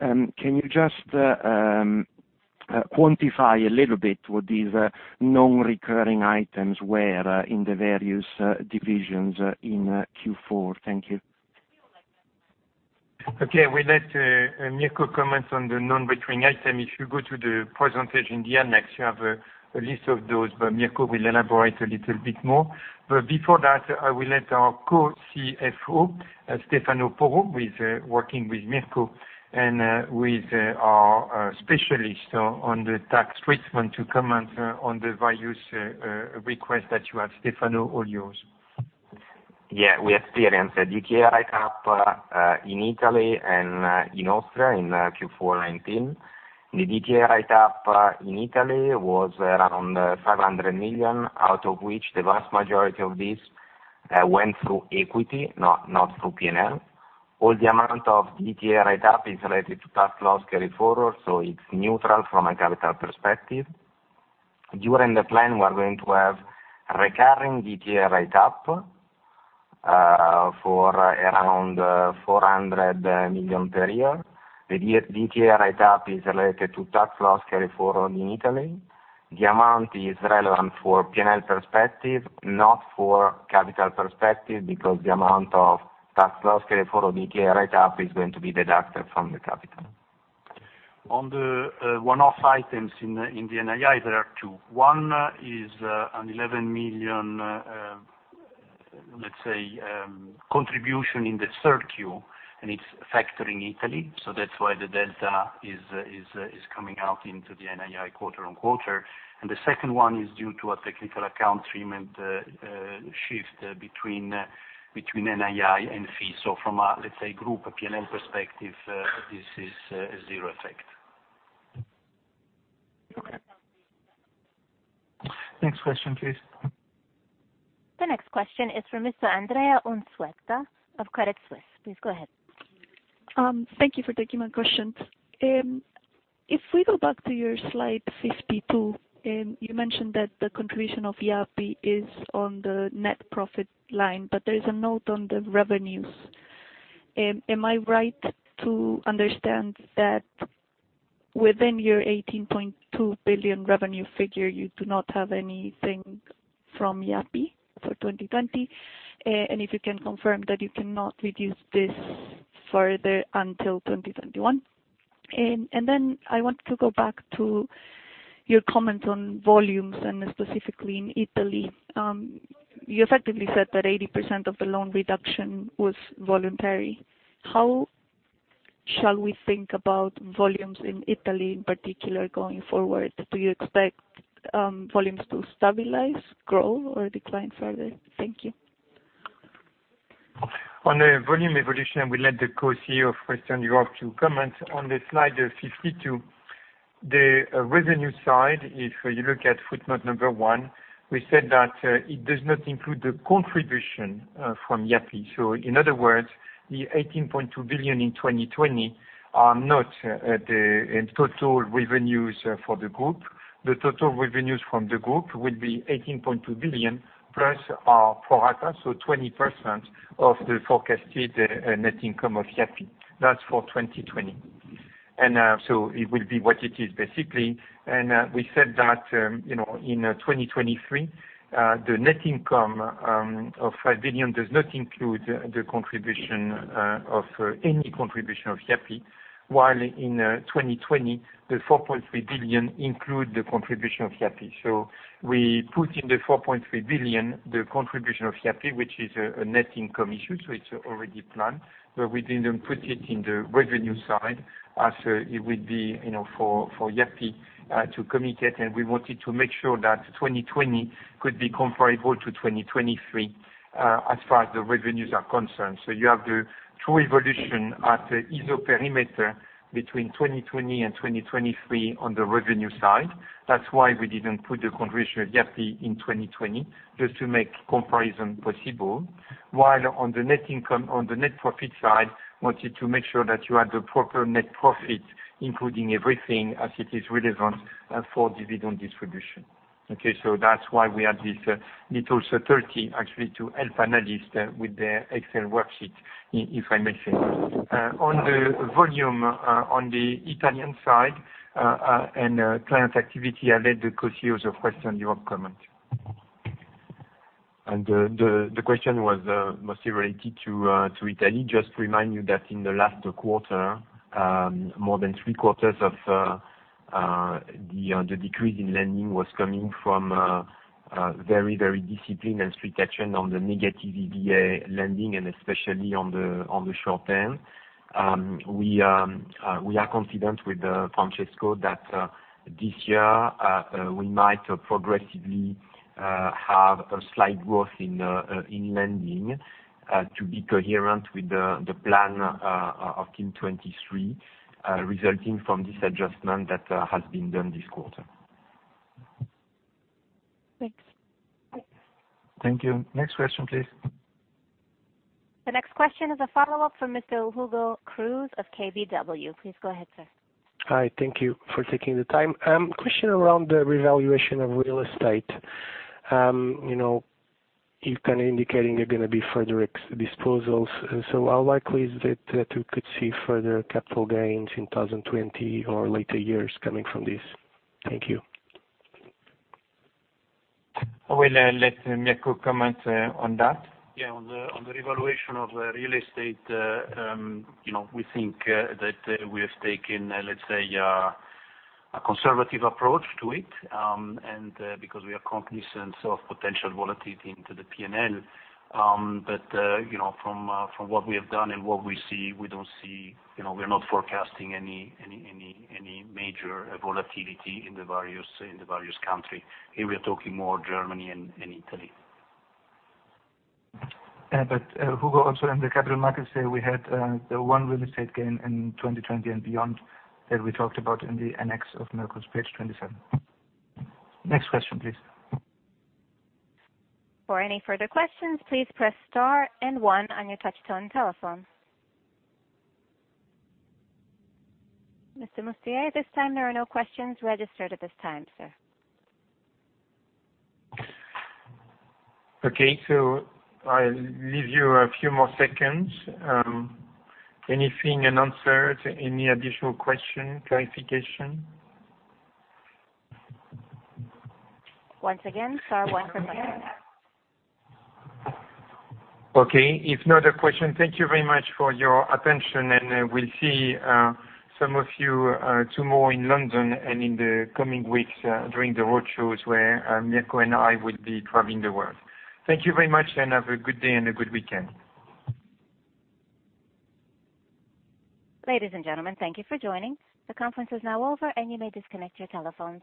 Can you just quantify a little bit what these non-recurring items were in the various divisions in Q4? Thank you. Okay. We let Mirko comment on the non-recurring item. If you go to the presentation, in the annex, you have a list of those, but Mirko will elaborate a little bit more. Before that, I will let our Co-CFO, Stefano Porro, working with Mirko and with our specialist on the tax treatment, to comment on the various requests that you have. Stefano, all yours. Yeah, we experienced a DTA write-up in Italy and in Austria in Q4 2019. The DTA write-up in Italy was around 500 million, out of which the vast majority of this went through equity, not through P&L. All the amount of DTA write-up is related to tax loss carry forward, so it's neutral from a capital perspective. During the plan, we are going to have recurring DTA write-up for around 400 million per year. The DTA write-up is related to tax loss carry forward in Italy. The amount is relevant for P&L perspective, not for capital perspective, because the amount of tax loss carry forward DTA write-up is going to be deducted from the capital. On the one-off items in the NII, there are two. One is an 11 million, let's say, contribution in the third Q, and it's factoring Italy, so that's why the delta is coming out into the NII quarter-on-quarter. The second one is due to a technical account treatment shift between NII and fees. From a, let's say, Group P&L perspective, this is a zero effect. Okay. Next question, please. The next question is from Miss Andrea Unzueta of Credit Suisse. Please go ahead. Thank you for taking my questions. If we go back to your slide 52, you mentioned that the contribution of Yapı is on the net profit line, but there is a note on the revenues. Am I right to understand that within your 18.2 billion revenue figure, you do not have anything from Yapı for 2020? If you can confirm that you cannot reduce this further until 2021. I want to go back to your comment on volumes and specifically in Italy. You effectively said that 80% of the loan reduction was voluntary. How shall we think about volumes in Italy in particular going forward? Do you expect volumes to stabilize, grow or decline further? Thank you. On the volume evolution, I will let the co-CEO of Western Europe to comment. On slide 52, the revenue side, if you look at footnote number one, we said that it does not include the contribution from Yapi. In other words, the 18.2 billion in 2020 are not the total revenues for the Group. The total revenues from the Group will be 18.2 billion plus our pro rata, so 20% of the forecasted net income of Yapi. That's for 2020. It will be what it is basically. We said that in 2023, the net income of 5 billion does not include any contribution of Yapi, while in 2020, the 4.3 billion include the contribution of Yapi. We put in the 4.3 billion, the contribution of Yapı, which is a net income issue, it's already planned, but we didn't put it in the revenue side as it would be for Yapı to communicate, and we wanted to make sure that 2020 could be comparable to 2023 as far as the revenues are concerned. You have the true evolution at iso perimeter between 2020 and 2023 on the revenue side. That's why we didn't put the contribution of Yapı in 2020, just to make comparison possible. While on the net profit side, wanted to make sure that you had the proper net profit, including everything as it is relevant for dividend distribution. Okay, that's why we had this little subtlety, actually, to help analysts with their Excel worksheet, if I may say. On the volume on the Italian side, and client activity, I'll let the Co-CEOs of Western Europe comment. The question was mostly related to Italy. Just to remind you that in the last quarter, more than three quarters of the decrease in lending was coming from very disciplined and strict action on the negative EVA lending, and especially on the short term. We are confident with Francesco that this year, we might progressively have a slight growth in lending to be coherent with the plan of Team 23, resulting from this adjustment that has been done this quarter. Thanks. Thank you. Next question, please. The next question is a follow-up from Mr. Hugo Cruz of KBW. Please go ahead, sir. Hi. Thank you for taking the time. Question around the revaluation of real estate. You're kind of indicating there are going to be further disposals. How likely is it that we could see further capital gains in 2020 or later years coming from this? Thank you. I will let Mirko comment on that. Yeah, on the revaluation of real estate, we think that we have taken, let's say, a conservative approach to it, and because we are cognizant of potential volatility into the P&L. From what we have done and what we see, we're not forecasting any major volatility in the various country. Here, we're talking more Germany and Italy. Hugo, also in the capital markets there, we had the one real estate gain in 2020 and beyond that we talked about in the annex of Mirko's page 27. Next question, please. For any further questions, please press star and one on your touchtone telephone. Mr. Mustier, at this time there are no questions registered at this time, sir. Okay, I'll leave you a few more seconds. Anything unanswered, any additional question, clarification? Once again, star one for questions. Okay, if not a question, thank you very much for your attention, and we'll see some of you tomorrow in London and in the coming weeks during the roadshows where Mirko and I will be traveling the world. Thank you very much and have a good day and a good weekend. Ladies and gentlemen, thank you for joining. The conference is now over and you may disconnect your telephones.